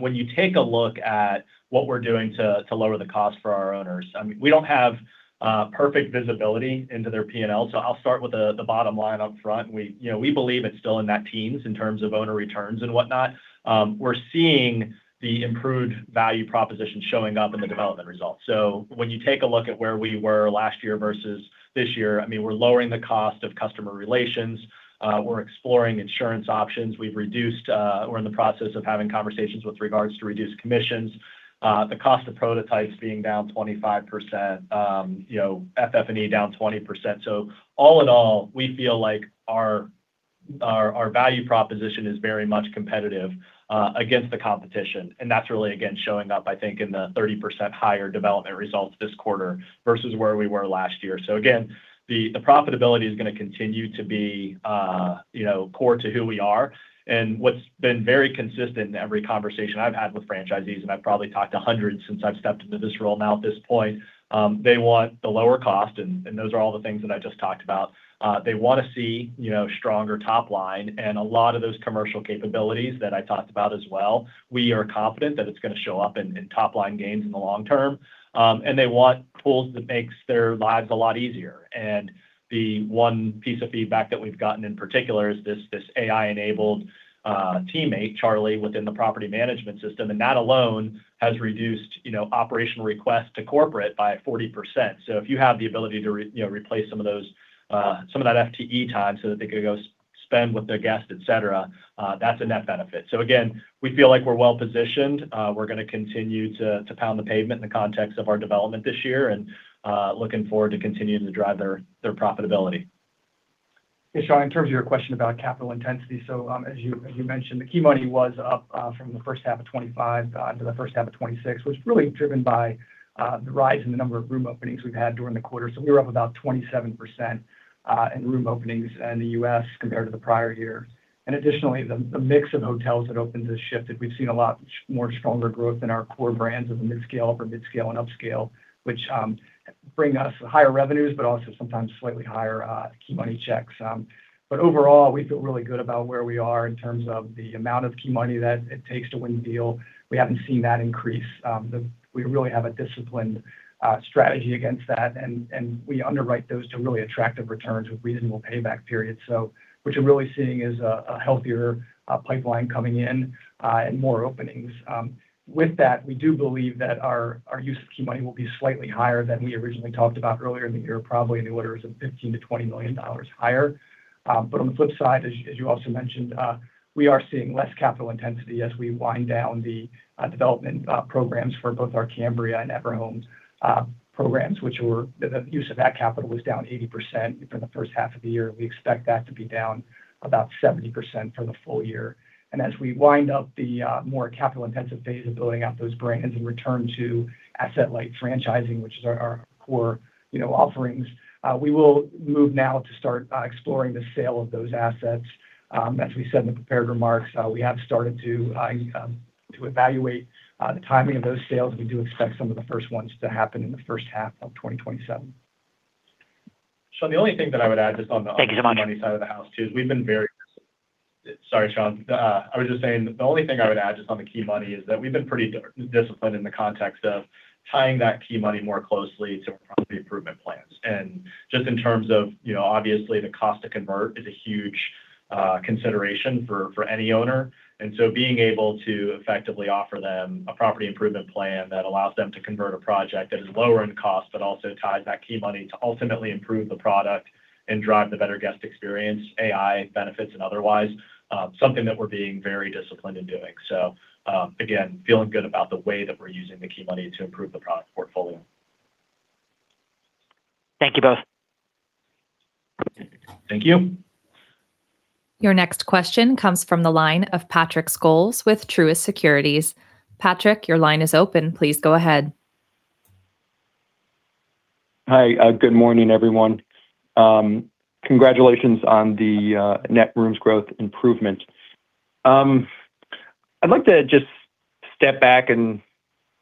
when you take a look at what we're doing to lower the cost for our owners, we don't have perfect visibility into their P&L. I'll start with the bottom line up front. We believe it's still in that teens in terms of owner returns and whatnot. We're seeing the improved value proposition showing up in the development results. When you take a look at where we were last year versus this year, we're lowering the cost of customer relations. We're exploring insurance options. We've reduced, or are in the process of having conversations with regards to reduced commissions. The cost of prototypes being down 25%, FF&E down 20%. All in all, we feel like our value proposition is very much competitive against the competition, and that's really, again, showing up, I think, in the 30% higher development results this quarter versus where we were last year. Again, the profitability is going to continue to be core to who we are and what's been very consistent in every conversation I've had with franchisees, and I've probably talked to hundreds since I've stepped into this role now at this point. They want the lower cost, and those are all the things that I just talked about. They want to see stronger top line and a lot of those commercial capabilities that I talked about as well. We are confident that it's going to show up in top line gains in the long term. They want tools that makes their lives a lot easier. The one piece of feedback that we've gotten in particular is this AI enabled teammate, CHARLIE, within the property management system, and that alone has reduced operational requests to corporate by 40%. If you have the ability to replace some of that FTE time so that they could go spend with their guests, etc, that's a net benefit. Again, we feel like we're well-positioned. We're going to continue to pound the pavement in the context of our development this year and looking forward to continuing to drive their profitability. Yeah. Shaun, in terms of your question about capital intensity, as you mentioned, the key money was up from the first half of 2025 to the first half of 2026, was really driven by the rise in the number of room openings we've had during the quarter. We were up about 27% in room openings in the U.S. compared to the prior year. Additionally, the mix of hotels that opened this shift, that we've seen a lot more stronger growth in our core brands of the midscale, upper midscale and upscale, which bring us higher revenues, but also sometimes slightly higher key money checks. Overall, we feel really good about where we are in terms of the amount of key money that it takes to win a deal. We haven't seen that increase. We really have a disciplined strategy against that, we underwrite those to really attractive returns with reasonable payback periods. What you're really seeing is a healthier pipeline coming in, and more openings. With that, we do believe that our use of key money will be slightly higher than we originally talked about earlier in the year, probably in the order of $15 million-$20 million higher. On the flip side, as you also mentioned, we are seeing less capital intensity as we wind down the development programs for both our Cambria and Everhome Suites programs, which were the use of that capital was down 80% for the first half of the year. We expect that to be down about 70% for the full-year. As we wind up the more capital intensive phase of building out those brands and return to asset light franchising, which is our core offerings, we will move now to start exploring the sale of those assets. As we said in the prepared remarks, we have started to evaluate the timing of those sales. We do expect some of the first ones to happen in the first half of 2027. Shaun, the only thing that I would add- Thank you so much. On the money side of the house, too, is we've been very, sorry, Shaun. I was just saying that the only thing I would add just on the key money is that we've been pretty disciplined in the context of tying that key money more closely to our property improvement plans. Just in terms of obviously the cost to convert is a huge consideration for any owner, and so being able to effectively offer them a property improvement plan that allows them to convert a project that is lower in cost, but also ties that key money to ultimately improve the product and drive the better guest experience, AI benefits, and otherwise, something that we're being very disciplined in doing. Again, feeling good about the way that we're using the key money to improve the product portfolio. Thank you both. Thank you. Your next question comes from the line of Patrick Scholes with Truist Securities. Patrick, your line is open. Please go ahead. Hi. Good morning, everyone. Congratulations on the net rooms growth improvement. I'd like to just step back and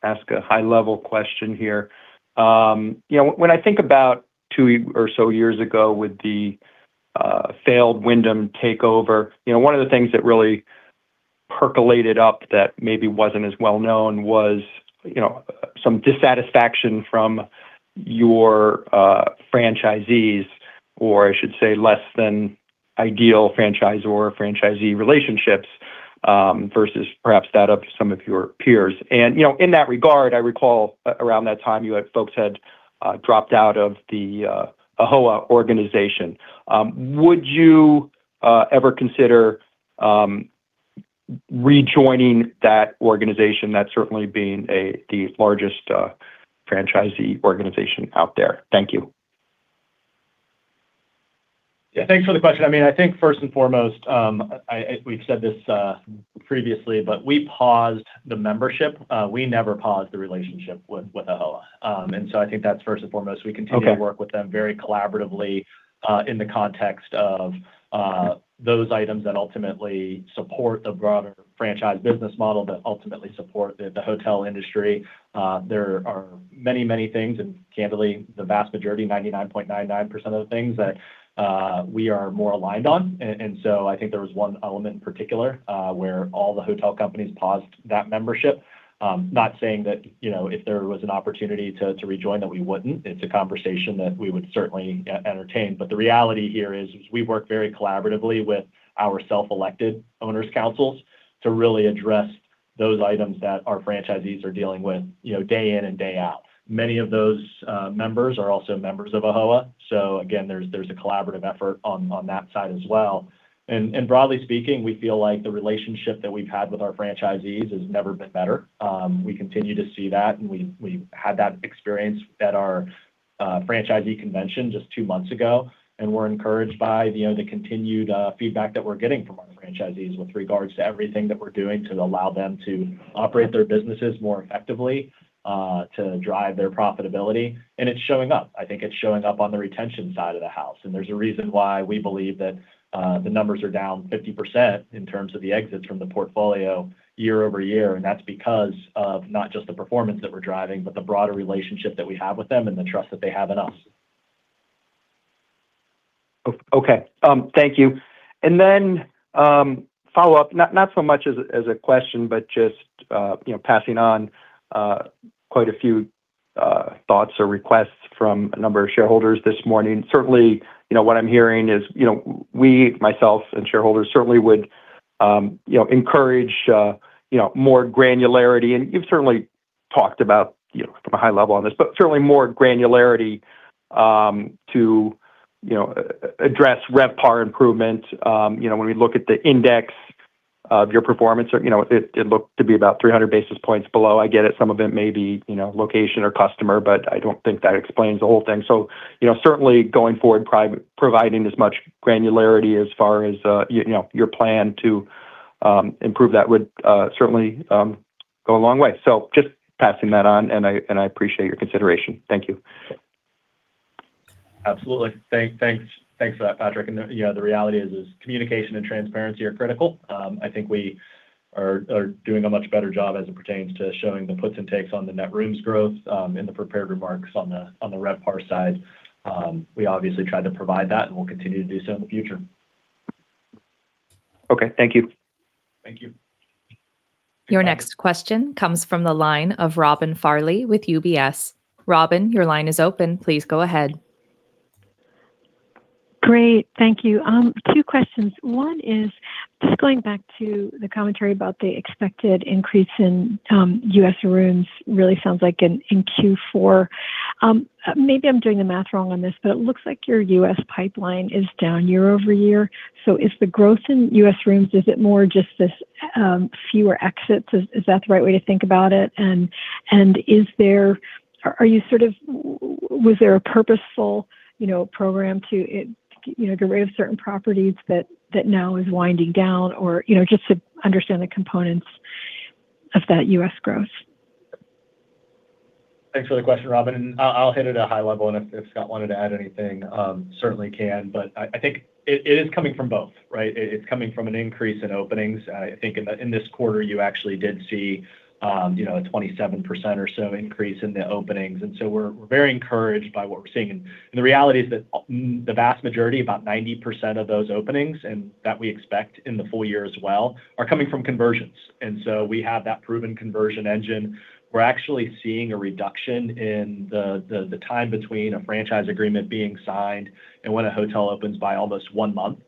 ask a high-level question here. When I think about two or so years ago with the failed Wyndham takeover, one of the things that really percolated up that maybe wasn't as well-known was some dissatisfaction from your franchisees, or I should say less than ideal franchisor-franchisee relationships versus perhaps that of some of your peers. In that regard, I recall around that time you folks had dropped out of the AHLA organization. Would you ever consider rejoining that organization, that certainly being the largest franchisee organization out there? Thank you. Yeah, thanks for the question. I think first and foremost, we've said this previously, but we paused the membership. We never paused the relationship with AHLA. So, I think that's first and foremost. Okay. We continue to work with them very collaboratively, in the context of those items that ultimately support the broader franchise business model, that ultimately support the hotel industry. There are many things, and candidly, the vast majority, 99.99% of the things that we are more aligned on. I think there was one element in particular where all the hotel companies paused that membership. Not saying that if there was an opportunity to rejoin that we wouldn't. It's a conversation that we would certainly entertain. The reality here is we work very collaboratively with our self-elected owners' councils to really address those items that our franchisees are dealing with day in and day out. Many of those members are also members of AHLA, so again, there's a collaborative effort on that side as well. Broadly speaking, we feel like the relationship that we've had with our franchisees has never been better. We continue to see that, and we had that experience at our franchisee convention just two months ago, and we're encouraged by the continued feedback that we're getting from our franchisees with regards to everything that we're doing to allow them to operate their businesses more effectively, to drive their profitability. It's showing up. I think it's showing up on the retention side of the house, and there's a reason why we believe that the numbers are down 50% in terms of the exits from the portfolio year-over-year. That's because of not just the performance that we're driving, but the broader relationship that we have with them and the trust that they have in us. Okay. Thank you. Follow-up, not so much as a question, but just passing on quite a few thoughts or requests from a number of shareholders this morning. Certainly, what I'm hearing is we, myself and shareholders, certainly would encourage more granularity, and you've certainly talked about from a high level on this. Certainly more granularity to address RevPAR improvement. When we look at the index of your performance, it looked to be about 300 basis points below. I get it, some of it may be location or customer, but I don't think that explains the whole thing. Certainly going forward, providing as much granularity as far as your plan to improve that would certainly go a long way. Just passing that on, and I appreciate your consideration. Thank you. Absolutely. Thanks for that, Patrick. The reality is communication and transparency are critical. I think we are doing a much better job as it pertains to showing the puts and takes on the net rooms growth in the prepared remarks on the RevPAR side. We obviously try to provide that, and we'll continue to do so in the future. Okay. Thank you. Thank you. Your next question comes from the line of Robin Farley with UBS. Robin, your line is open. Please go ahead. Great. Thank you. Two questions. One is just going back to the commentary about the expected increase in U.S. rooms, really sounds like in Q4. Maybe I'm doing the math wrong on this, but it looks like your U.S. pipeline is down year-over-year. If the growth in U.S. rooms, is it more just this fewer exits? Is that the right way to think about it? Was there a purposeful program to get rid of certain properties that now is winding down? Just to understand the components of that U.S. growth. Thanks for the question, Robin. I'll hit it at a high level, if Scott wanted to add anything, certainly can. I think it is coming from both, right? It's coming from an increase in openings. I think in this quarter you actually did see a 27% or so increase in the openings, we're very encouraged by what we're seeing. The reality is that the vast majority, about 90% of those openings, that we expect in the full-year as well, are coming from conversions. We have that proven conversion engine. We're actually seeing a reduction in the time between a franchise agreement being signed and when a hotel opens by almost one month.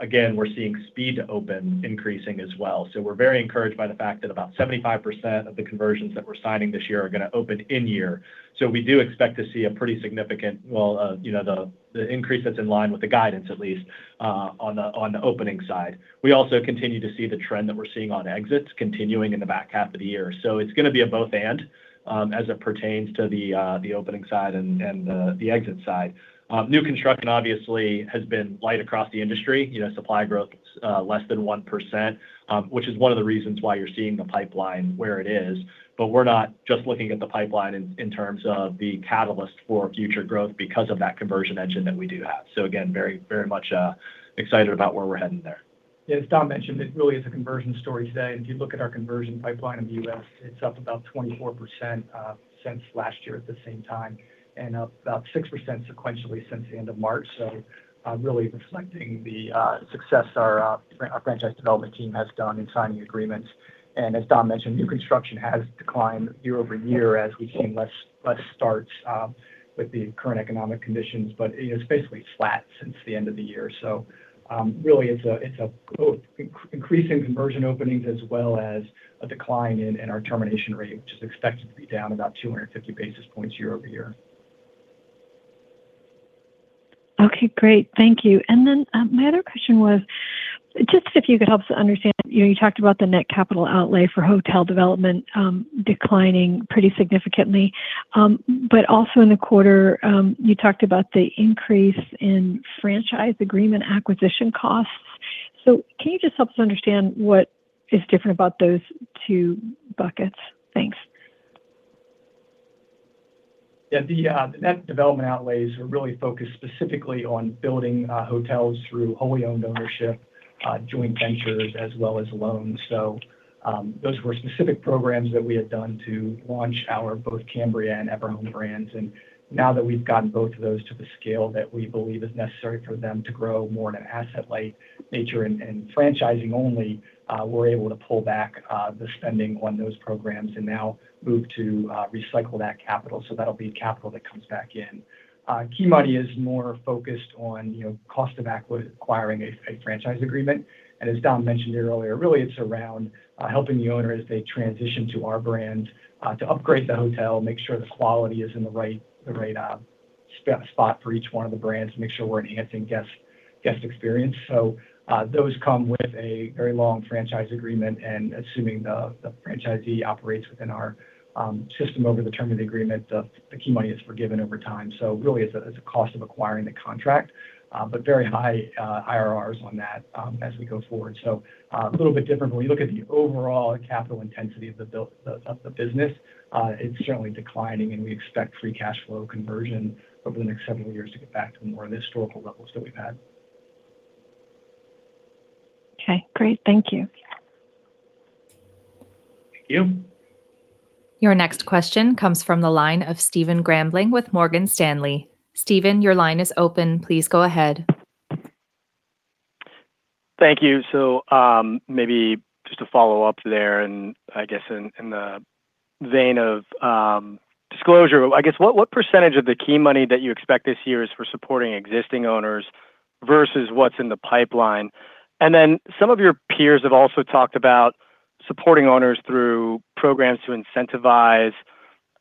Again, we're seeing speed to open increasing as well. We're very encouraged by the fact that about 75% of the conversions that we're signing this year are going to open in-year. We do expect to see a pretty significant, the increase that's in line with the guidance, at least, on the opening side. We also continue to see the trend that we're seeing on exits continuing in the back half of the year. It's going to be a both/and, as it pertains to the opening side and the exit side. New construction obviously has been light across the industry. Supply growth is less than 1%, which is one of the reasons why you're seeing the pipeline where it is. But we're not just looking at the pipeline in terms of the catalyst for future growth because of that conversion engine that we do have. Again, very much excited about where we're heading there. As Dom mentioned, it really is a conversion story today. If you look at our conversion pipeline in the U.S., it's up about 24% since last year at the same time and up about 6% sequentially since the end of March. So really reflecting the success our franchise development team has done in signing agreements. As Dom mentioned, new construction has declined year-over-year as we've seen less starts with the current economic conditions. But it's basically flat since the end of the year. So really it's both increasing conversion openings as well as a decline in our termination rate, which is expected to be down about 250 basis points year-over-year. Okay, great. Thank you. My other question was just if you could help us understand, you talked about the net capital outlay for hotel development declining pretty significantly. But also in the quarter, you talked about the increase in franchise agreement acquisition costs. Can you just help us understand what is different about those two buckets? Thanks. The net development outlays were really focused specifically on building hotels through wholly owned ownership, joint ventures as well as loans. Those were specific programs that we had done to launch our both Cambria and Everhome Suites brands. Now that we've gotten both of those to the scale that we believe is necessary for them to grow more in an asset-light nature and franchising only, we're able to pull back the spending on those programs and now move to recycle that capital. That'll be capital that comes back in. Key money is more focused on cost of acquiring a franchise agreement. As Dom mentioned here earlier, really it's around helping the owner as they transition to our brand, to upgrade the hotel, make sure the quality is in the right spot for each one of the brands to make sure we're enhancing guest experience. Those come with a very long franchise agreement, and assuming the franchisee operates within our system over the term of the agreement, the key money is forgiven over time. Really it's a cost of acquiring the contract, but very high IRRs on that as we go forward. A little bit different when we look at the overall capital intensity of the business. It's certainly declining, and we expect free cash flow conversion over the next several years to get back to more of the historical levels that we've had. Okay, great. Thank you. Thank you. Your next question comes from the line of Stephen Grambling with Morgan Stanley. Stephen, your line is open. Please go ahead. Thank you. Maybe just to follow up there, in the vein of disclosure, what percent of the key money that you expect this year is for supporting existing owners versus what's in the pipeline? Then some of your peers have also talked about supporting owners through programs to incentivize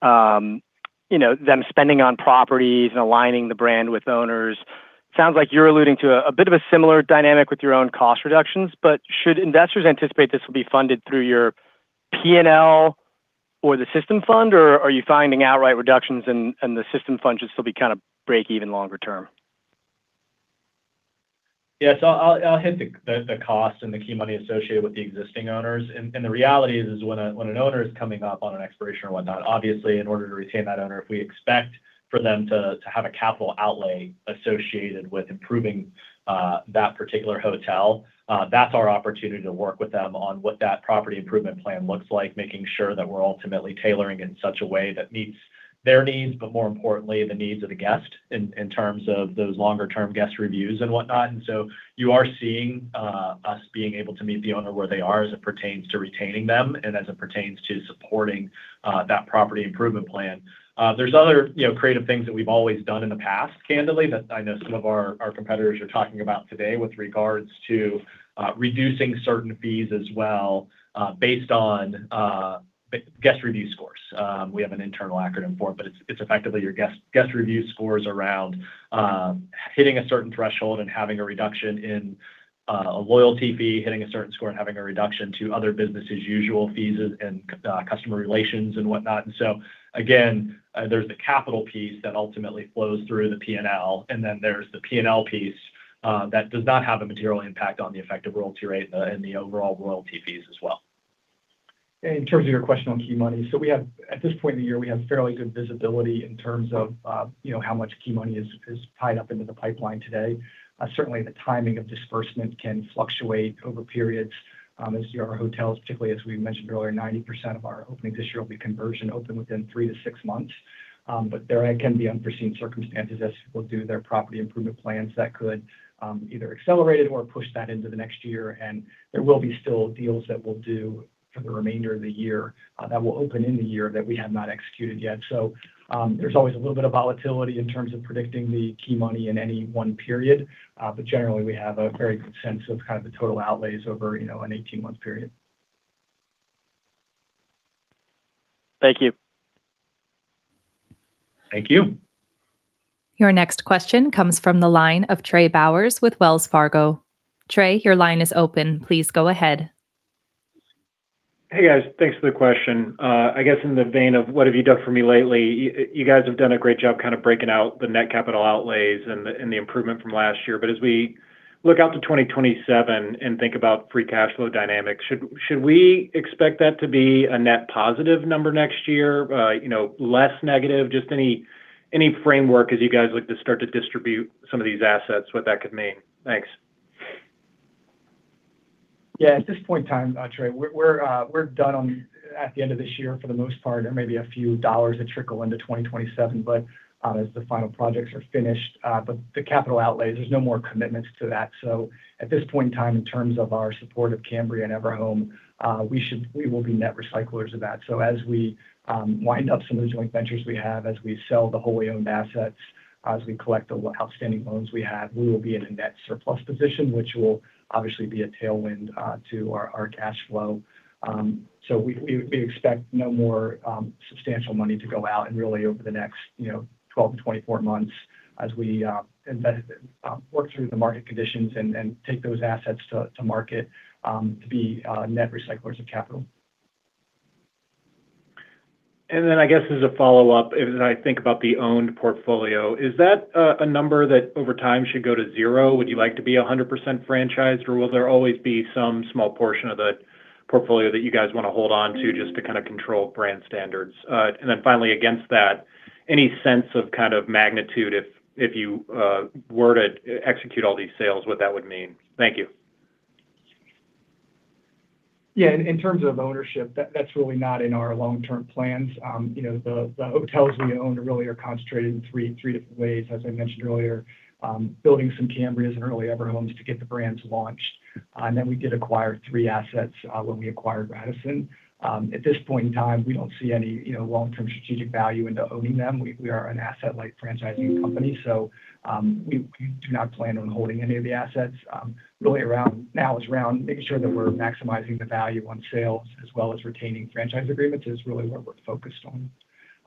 them spending on properties and aligning the brand with owners. Sounds like you're alluding to a bit of a similar dynamic with your own cost reductions, but should investors anticipate this will be funded through your P&L or the system fund, or are you finding outright reductions and the system fund should still be kind of break-even longer-term? Yeah, I'll hit the cost and the key money associated with the existing owners. The reality is when an owner is coming up on an expiration or whatnot, obviously in order to retain that owner, if we expect for them to have a capital outlay associated with improving that particular hotel, that's our opportunity to work with them on what that property improvement plan looks like. Making sure that we're ultimately tailoring in such a way that meets their needs, but more importantly, the needs of the guest in terms of those longer-term guest reviews and whatnot. You are seeing us being able to meet the owner where they are as it pertains to retaining them and as it pertains to supporting that property improvement plan. There's other creative things that we've always done in the past, candidly, that I know some of our competitors are talking about today with regards to reducing certain fees as well, based on guest review scores. We have an internal acronym for it, but it's effectively your guest review scores around hitting a certain threshold and having a reduction in a loyalty fee, hitting a certain score, and having a reduction to other business as usual fees and customer relations and whatnot. Again, there's the capital piece that ultimately flows through the P&L, and then there's the P&L piece that does not have a material impact on the effective royalty rate and the overall royalty fees as well. In terms of your question on key money, at this point in the year, we have fairly good visibility in terms of how much key money is tied up into the pipeline today. Certainly, the timing of disbursement can fluctuate over periods as your hotels, particularly as we mentioned earlier, 90% of our openings this year will be conversion open within three to six months. There can be unforeseen circumstances as people do their property improvement plans that could either accelerate it or push that into the next year. There will be still deals that we'll do for the remainder of the year that will open in the year that we have not executed yet. There's always a little bit of volatility in terms of predicting the key money in any one period. Generally, we have a very good sense of the total outlays over an 18-month period. Thank you. Thank you. Your next question comes from the line of Trey Bowers with Wells Fargo. Trey, your line is open. Please go ahead. Hey, guys. Thanks for the question. I guess in the vein of what have you done for me lately, you guys have done a great job breaking out the net capital outlays and the improvement from last year. As we look out to 2027 and think about free cash flow dynamics, should we expect that to be a net positive number next year? Less negative? Just any framework as you guys look to start to distribute some of these assets, what that could mean. Thanks. Yeah. At this point in time, Trey, we're done at the end of this year, for the most part. There may be a few dollars that trickle into 2027, but as the final projects are finished, but the capital outlays, there's no more commitments to that. At this point in time, in terms of our support of Cambria and Everhome, we will be net recyclers of that. As we wind up some of those joint ventures we have, as we sell the wholly owned assets, as we collect the outstanding loans we have, we will be in a net surplus position, which will obviously be a tailwind to our cash flow. We expect no more substantial money to go out and really over the next 12-24 months as we work through the market conditions and take those assets to market to be net recyclers of capital. I guess as a follow-up, as I think about the owned portfolio, is that a number that over time should go to zero? Would you like to be 100% franchised, or will there always be some small portion of the portfolio that you guys want to hold on to just to control brand standards? Finally against that, any sense of kind of magnitude if you were to execute all these sales, what that would mean? Thank you. Yeah, in terms of ownership, that's really not in our long-term plans. The hotels we own really are concentrated in three different ways, as I mentioned earlier. Building some Cambrias and early Everhomes to get the brands launched. We did acquire three assets when we acquired Radisson. At this point in time, we don't see any long-term strategic value into owning them. We are an asset-light franchising company, so we do not plan on holding any of the assets. Really right now is around making sure that we're maximizing the value on sales as well as retaining franchise agreements is really what we're focused on.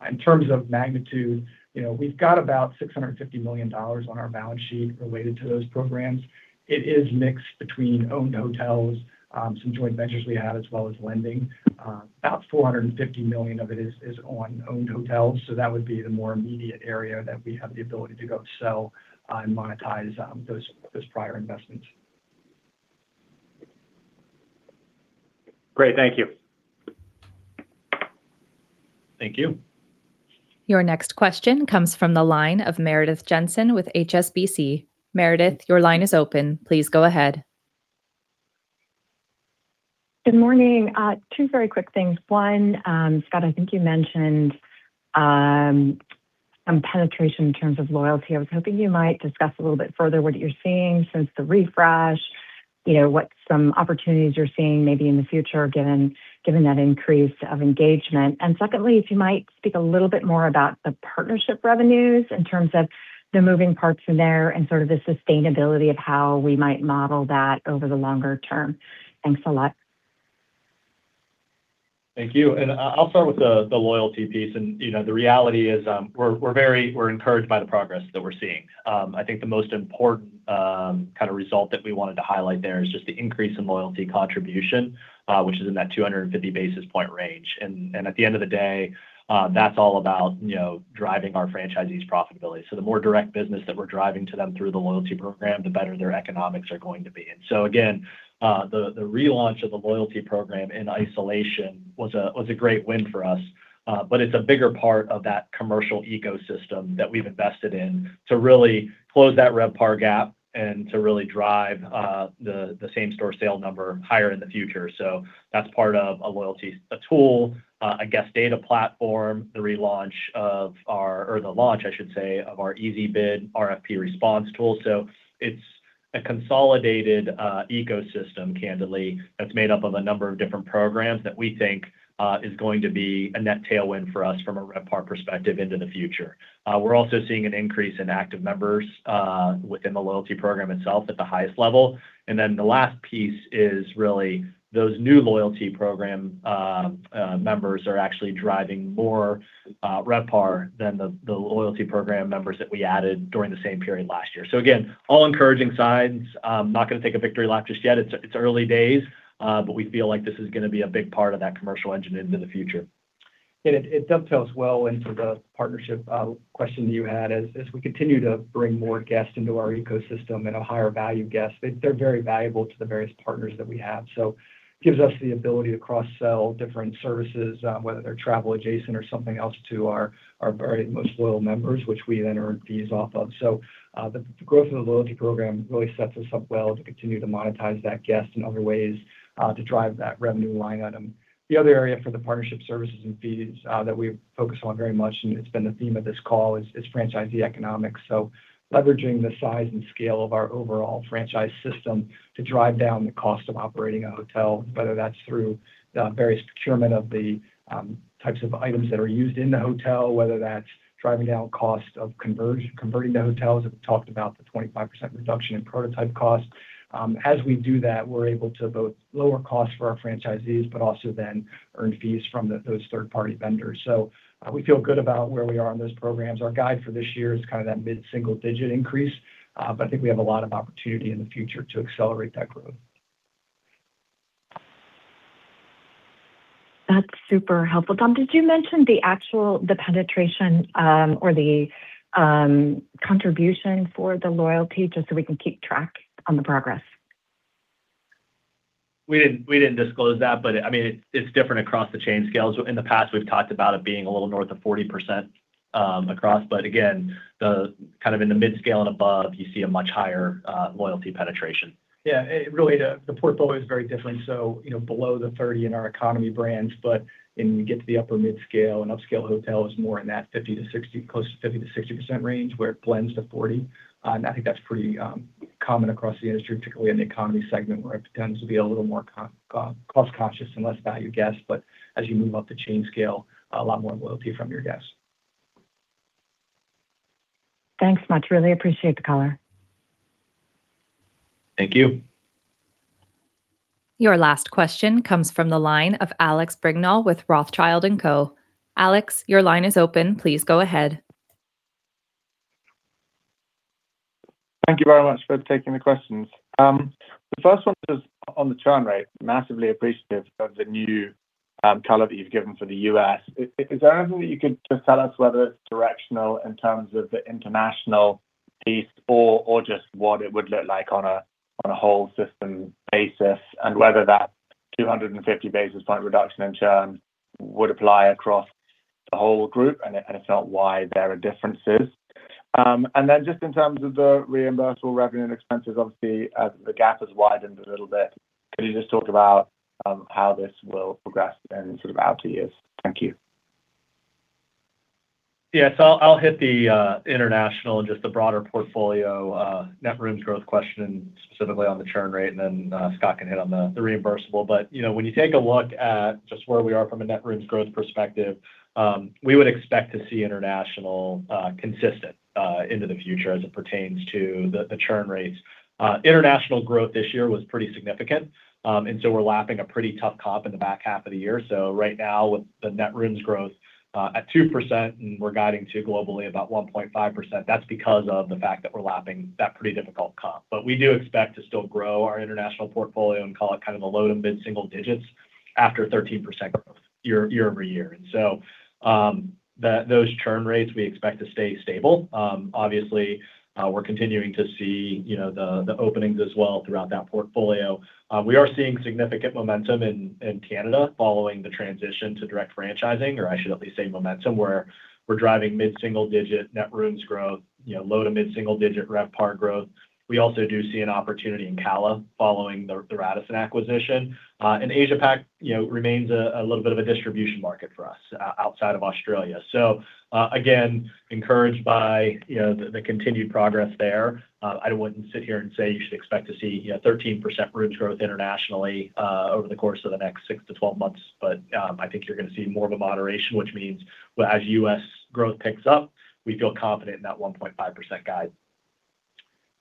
In terms of magnitude, we've got about $650 million on our balance sheet related to those programs. It is mixed between owned hotels, some joint ventures we have, as well as lending. About $450 million of it is on owned hotels, that would be the more immediate area that we have the ability to go sell and monetize those prior investments. Great. Thank you. Thank you. Your next question comes from the line of Meredith Jensen with HSBC. Meredith, your line is open. Please go ahead. Good morning. Two very quick things. One, Scott, I think you mentioned some penetration in terms of loyalty. I was hoping you might discuss a little bit further what you're seeing since the refresh, what some opportunities you're seeing maybe in the future given that increase of engagement. Secondly, if you might speak a little bit more about the partnership revenues in terms of the moving parts in there and sort of the sustainability of how we might model that over the longer term. Thanks a lot. Thank you. I'll start with the loyalty piece. The reality is we're encouraged by the progress that we're seeing. I think the most important kind of result that we wanted to highlight there is just the increase in loyalty contribution, which is in that 250 basis point range. At the end of the day, that's all about driving our franchisees' profitability. The more direct business that we're driving to them through the loyalty program, the better their economics are going to be. Again, the relaunch of the loyalty program in isolation was a great win for us. It's a bigger part of that commercial ecosystem that we've invested in to really close that RevPAR gap and to really drive the same-store sale number higher in the future. That's part of a loyalty tool, a guest data platform, the relaunch of our or the launch, I should say, of our EasyBid RFP response tool. It's a consolidated ecosystem, candidly, that's made up of a number of different programs that we think is going to be a net tailwind for us from a RevPAR perspective into the future. We're also seeing an increase in active members within the loyalty program itself at the highest level. The last piece is really those new loyalty program members are actually driving more RevPAR than the loyalty program members that we added during the same period last year. Again, all encouraging signs. Not going to take a victory lap just yet. It's early days, but we feel like this is going to be a big part of that commercial engine into the future. It dovetails well into the partnership question you had. As we continue to bring more guests into our ecosystem and a higher value guest, they're very valuable to the various partners that we have. Gives us the ability to cross-sell different services, whether they're travel adjacent or something else to our very most loyal members, which we then earn fees off of. The growth of the loyalty program really sets us up well to continue to monetize that guest in other ways to drive that revenue line item. The other area for the partnership services and fees that we focus on very much, it's been the theme of this call, is franchisee economics. Leveraging the size and scale of our overall franchise system to drive down the cost of operating a hotel, whether that's through various procurement of the types of items that are used in the hotel, whether that's driving down cost of converting the hotels. We've talked about the 25% reduction in prototype costs. As we do that, we're able to both lower costs for our franchisees, also then earn fees from those third-party vendors. We feel good about where we are on those programs. Our guide for this year is that mid-single digit increase. I think we have a lot of opportunity in the future to accelerate that growth. That's super helpful. Dom, did you mention the penetration, or the contribution for the loyalty, just so we can keep track on the progress? We didn't disclose that, it's different across the chain scales. In the past, we've talked about it being a little north of 40% across. Again, in the mid scale and above, you see a much higher loyalty penetration. Really, the portfolio is very different. Below the 30% in our economy brands, but when we get to the upper mid-scale and upscale hotels, more in that close to 50%-60% range where it blends to 40%. I think that's pretty common across the industry, particularly in the economy segment where it tends to be a little more cost conscious and less value guests. As you move up the chain scale, a lot more loyalty from your guests. Thanks much. Really appreciate the color. Thank you. Your last question comes from the line of Alex Brignall with Rothschild & Co. Alex, your line is open. Please go ahead. Thank you very much for taking the questions. The first one is on the churn rate. Massively appreciative of the new color that you've given for the U.S. Is there anything that you could just tell us whether it's directional in terms of the international piece or just what it would look like on a whole system basis, and whether that 250 basis point reduction in churn would apply across the whole group? If not, why there are differences? Just in terms of the reimbursable revenue and expenses, obviously as the gap has widened a little bit, can you just talk about how this will progress then out to years? Thank you. Yes. I'll hit the international and just the broader portfolio net rooms growth question specifically on the churn rate, and then Scott can hit on the reimbursable. When you take a look at just where we are from a net rooms growth perspective, we would expect to see international consistent into the future as it pertains to the churn rates. International growth this year was pretty significant. We're lapping a pretty tough comp in the back half of the year. Right now with the net rooms growth at 2%, and we're guiding to globally about 1.5%, that's because of the fact that we're lapping that pretty difficult comp. We do expect to still grow our international portfolio and call it a low to mid-single digits after 13% growth year-over-year. Those churn rates we expect to stay stable. Obviously, we're continuing to see the openings as well throughout that portfolio. We are seeing significant momentum in Canada following the transition to direct franchising, or I should at least say momentum, where we're driving mid-single digit net rooms growth, low to mid-single digit RevPAR growth. We also do see an opportunity in CALA following the Radisson acquisition. Asia-Pac remains a little bit of a distribution market for us outside of Australia. Again, encouraged by the continued progress there. I wouldn't sit here and say you should expect to see 13% rooms growth internationally over the course of the next 6-12 months. I think you're going to see more of a moderation, which means as U.S. growth picks up, we feel confident in that 1.5% guide.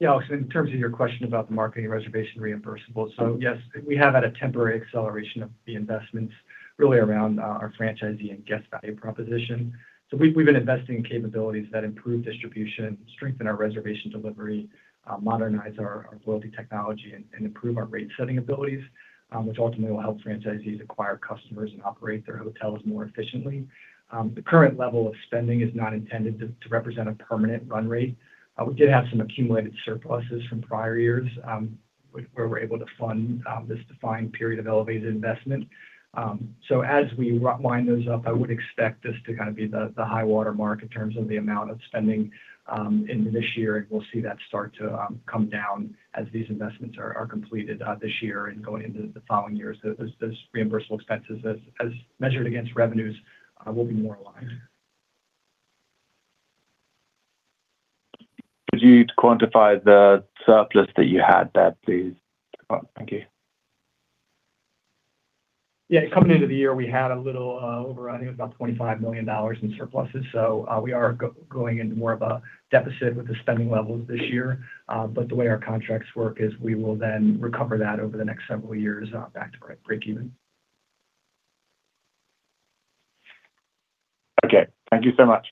Alex, in terms of your question about the marketing reservation reimbursables. Yes, we have had a temporary acceleration of the investments really around our franchisee and guest value proposition. We've been investing in capabilities that improve distribution, strengthen our reservation delivery, modernize our loyalty technology, and improve our rate setting abilities, which ultimately will help franchisees acquire customers and operate their hotels more efficiently. The current level of spending is not intended to represent a permanent run rate. We did have some accumulated surpluses from prior years, where we're able to fund this defined period of elevated investment. As we wind those up, I would expect this to be the high water mark in terms of the amount of spending into this year. We'll see that start to come down as these investments are completed this year and going into the following years. Those reimbursable expenses as measured against revenues will be more aligned. Could you quantify the surplus that you had there, please? Thank you. Yeah. Coming into the year, we had a little over, I think it was about $25 million in surpluses. We are going into more of a deficit with the spending levels this year. The way our contracts work is we will then recover that over the next several years back to breakeven. Okay. Thank you so much.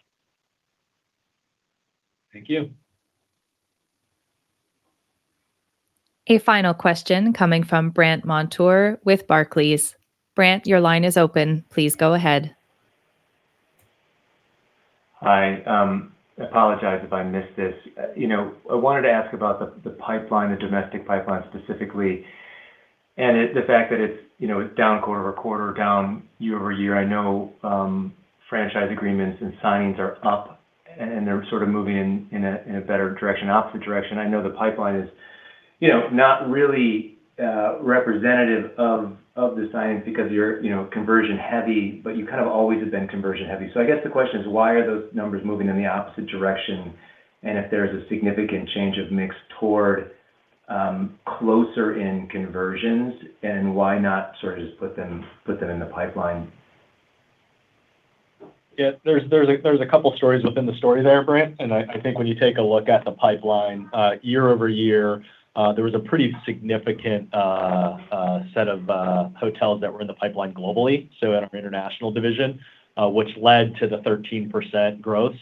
Thank you. A final question coming from Brandt Montour with Barclays. Brandt, your line is open. Please go ahead. Hi. I apologize if I missed this. I wanted to ask about the pipeline, the domestic pipeline specifically, and the fact that it's down quarter-over-quarter, down year-over-year. I know franchise agreements and signings are up, and they're sort of moving in a better direction, opposite direction. I know the pipeline is not really representative of the science because you're conversion heavy, but you kind of always have been conversion heavy. I guess the question is, why are those numbers moving in the opposite direction? If there is a significant change of mix toward closer in conversions, why not sort of just put them in the pipeline? Yeah. There's a couple stories within the story there, Brandt. I think when you take a look at the pipeline year-over-year, there was a pretty significant set of hotels that were in the pipeline globally, so at our international division, which led to the 13% growth.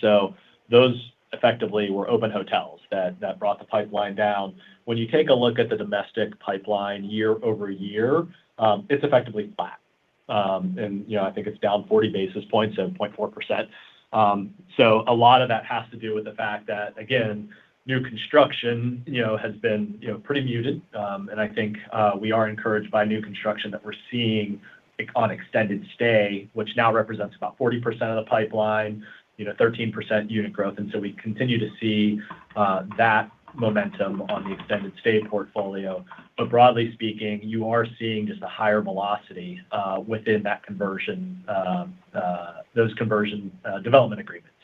Those effectively were open hotels that brought the pipeline down. When you take a look at the domestic pipeline year-over-year, it's effectively flat. I think it's down 40 basis points, so 0.4%. A lot of that has to do with the fact that, again, new construction has been pretty muted. I think we are encouraged by new construction that we're seeing on Extended Stay, which now represents about 40% of the pipeline, 13% unit growth. We continue to see that momentum on the Extended Stay portfolio. Broadly speaking, you are seeing just a higher velocity within those conversion development agreements,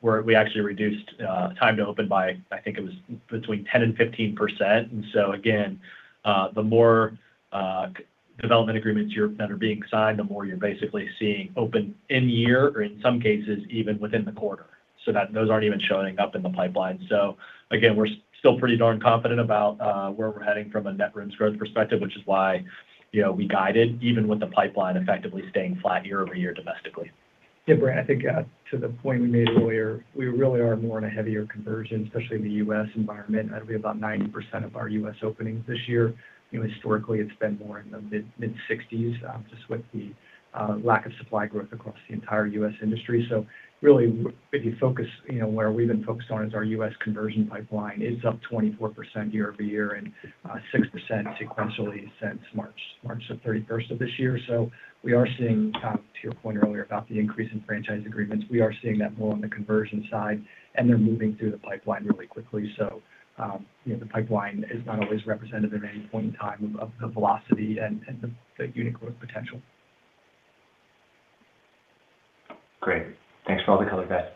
where we actually reduced time to open by, I think it was between 10% and 15%. Again, the more development agreements that are being signed, the more you're basically seeing open in-year, or in some cases, even within the quarter. That those aren't even showing up in the pipeline. Again, we're still pretty darn confident about where we're heading from a net rooms growth perspective, which is why we guided even with the pipeline effectively staying flat year-over-year domestically. Yeah, Brandt, I think to the point we made earlier, we really are more in a heavier conversion, especially in the U.S. environment. That'll be about 90% of our U.S. openings this year. Historically, it's been more in the mid-60%, just with the lack of supply growth across the entire U.S. industry. Really, where we've been focused on is our U.S. conversion pipeline is up 24% year-over-year and 6% sequentially since March 31st of this year. We are seeing, to your point earlier about the increase in franchise agreements, we are seeing that more on the conversion side, and they're moving through the pipeline really quickly. The pipeline is not always representative at any point in time of the velocity and the unit growth potential. Great. Thanks for all the color, guys.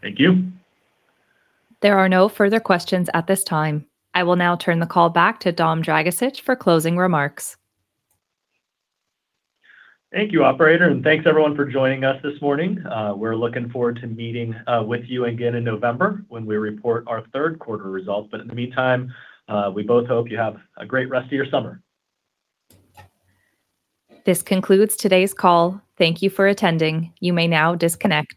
Thank you. There are no further questions at this time. I will now turn the call back to Dom Dragisich for closing remarks. Thank you, operator. Thanks everyone for joining us this morning. We're looking forward to meeting with you again in November when we report our third quarter results. In the meantime, we both hope you have a great rest of your summer. This concludes today's call. Thank you for attending. You may now disconnect.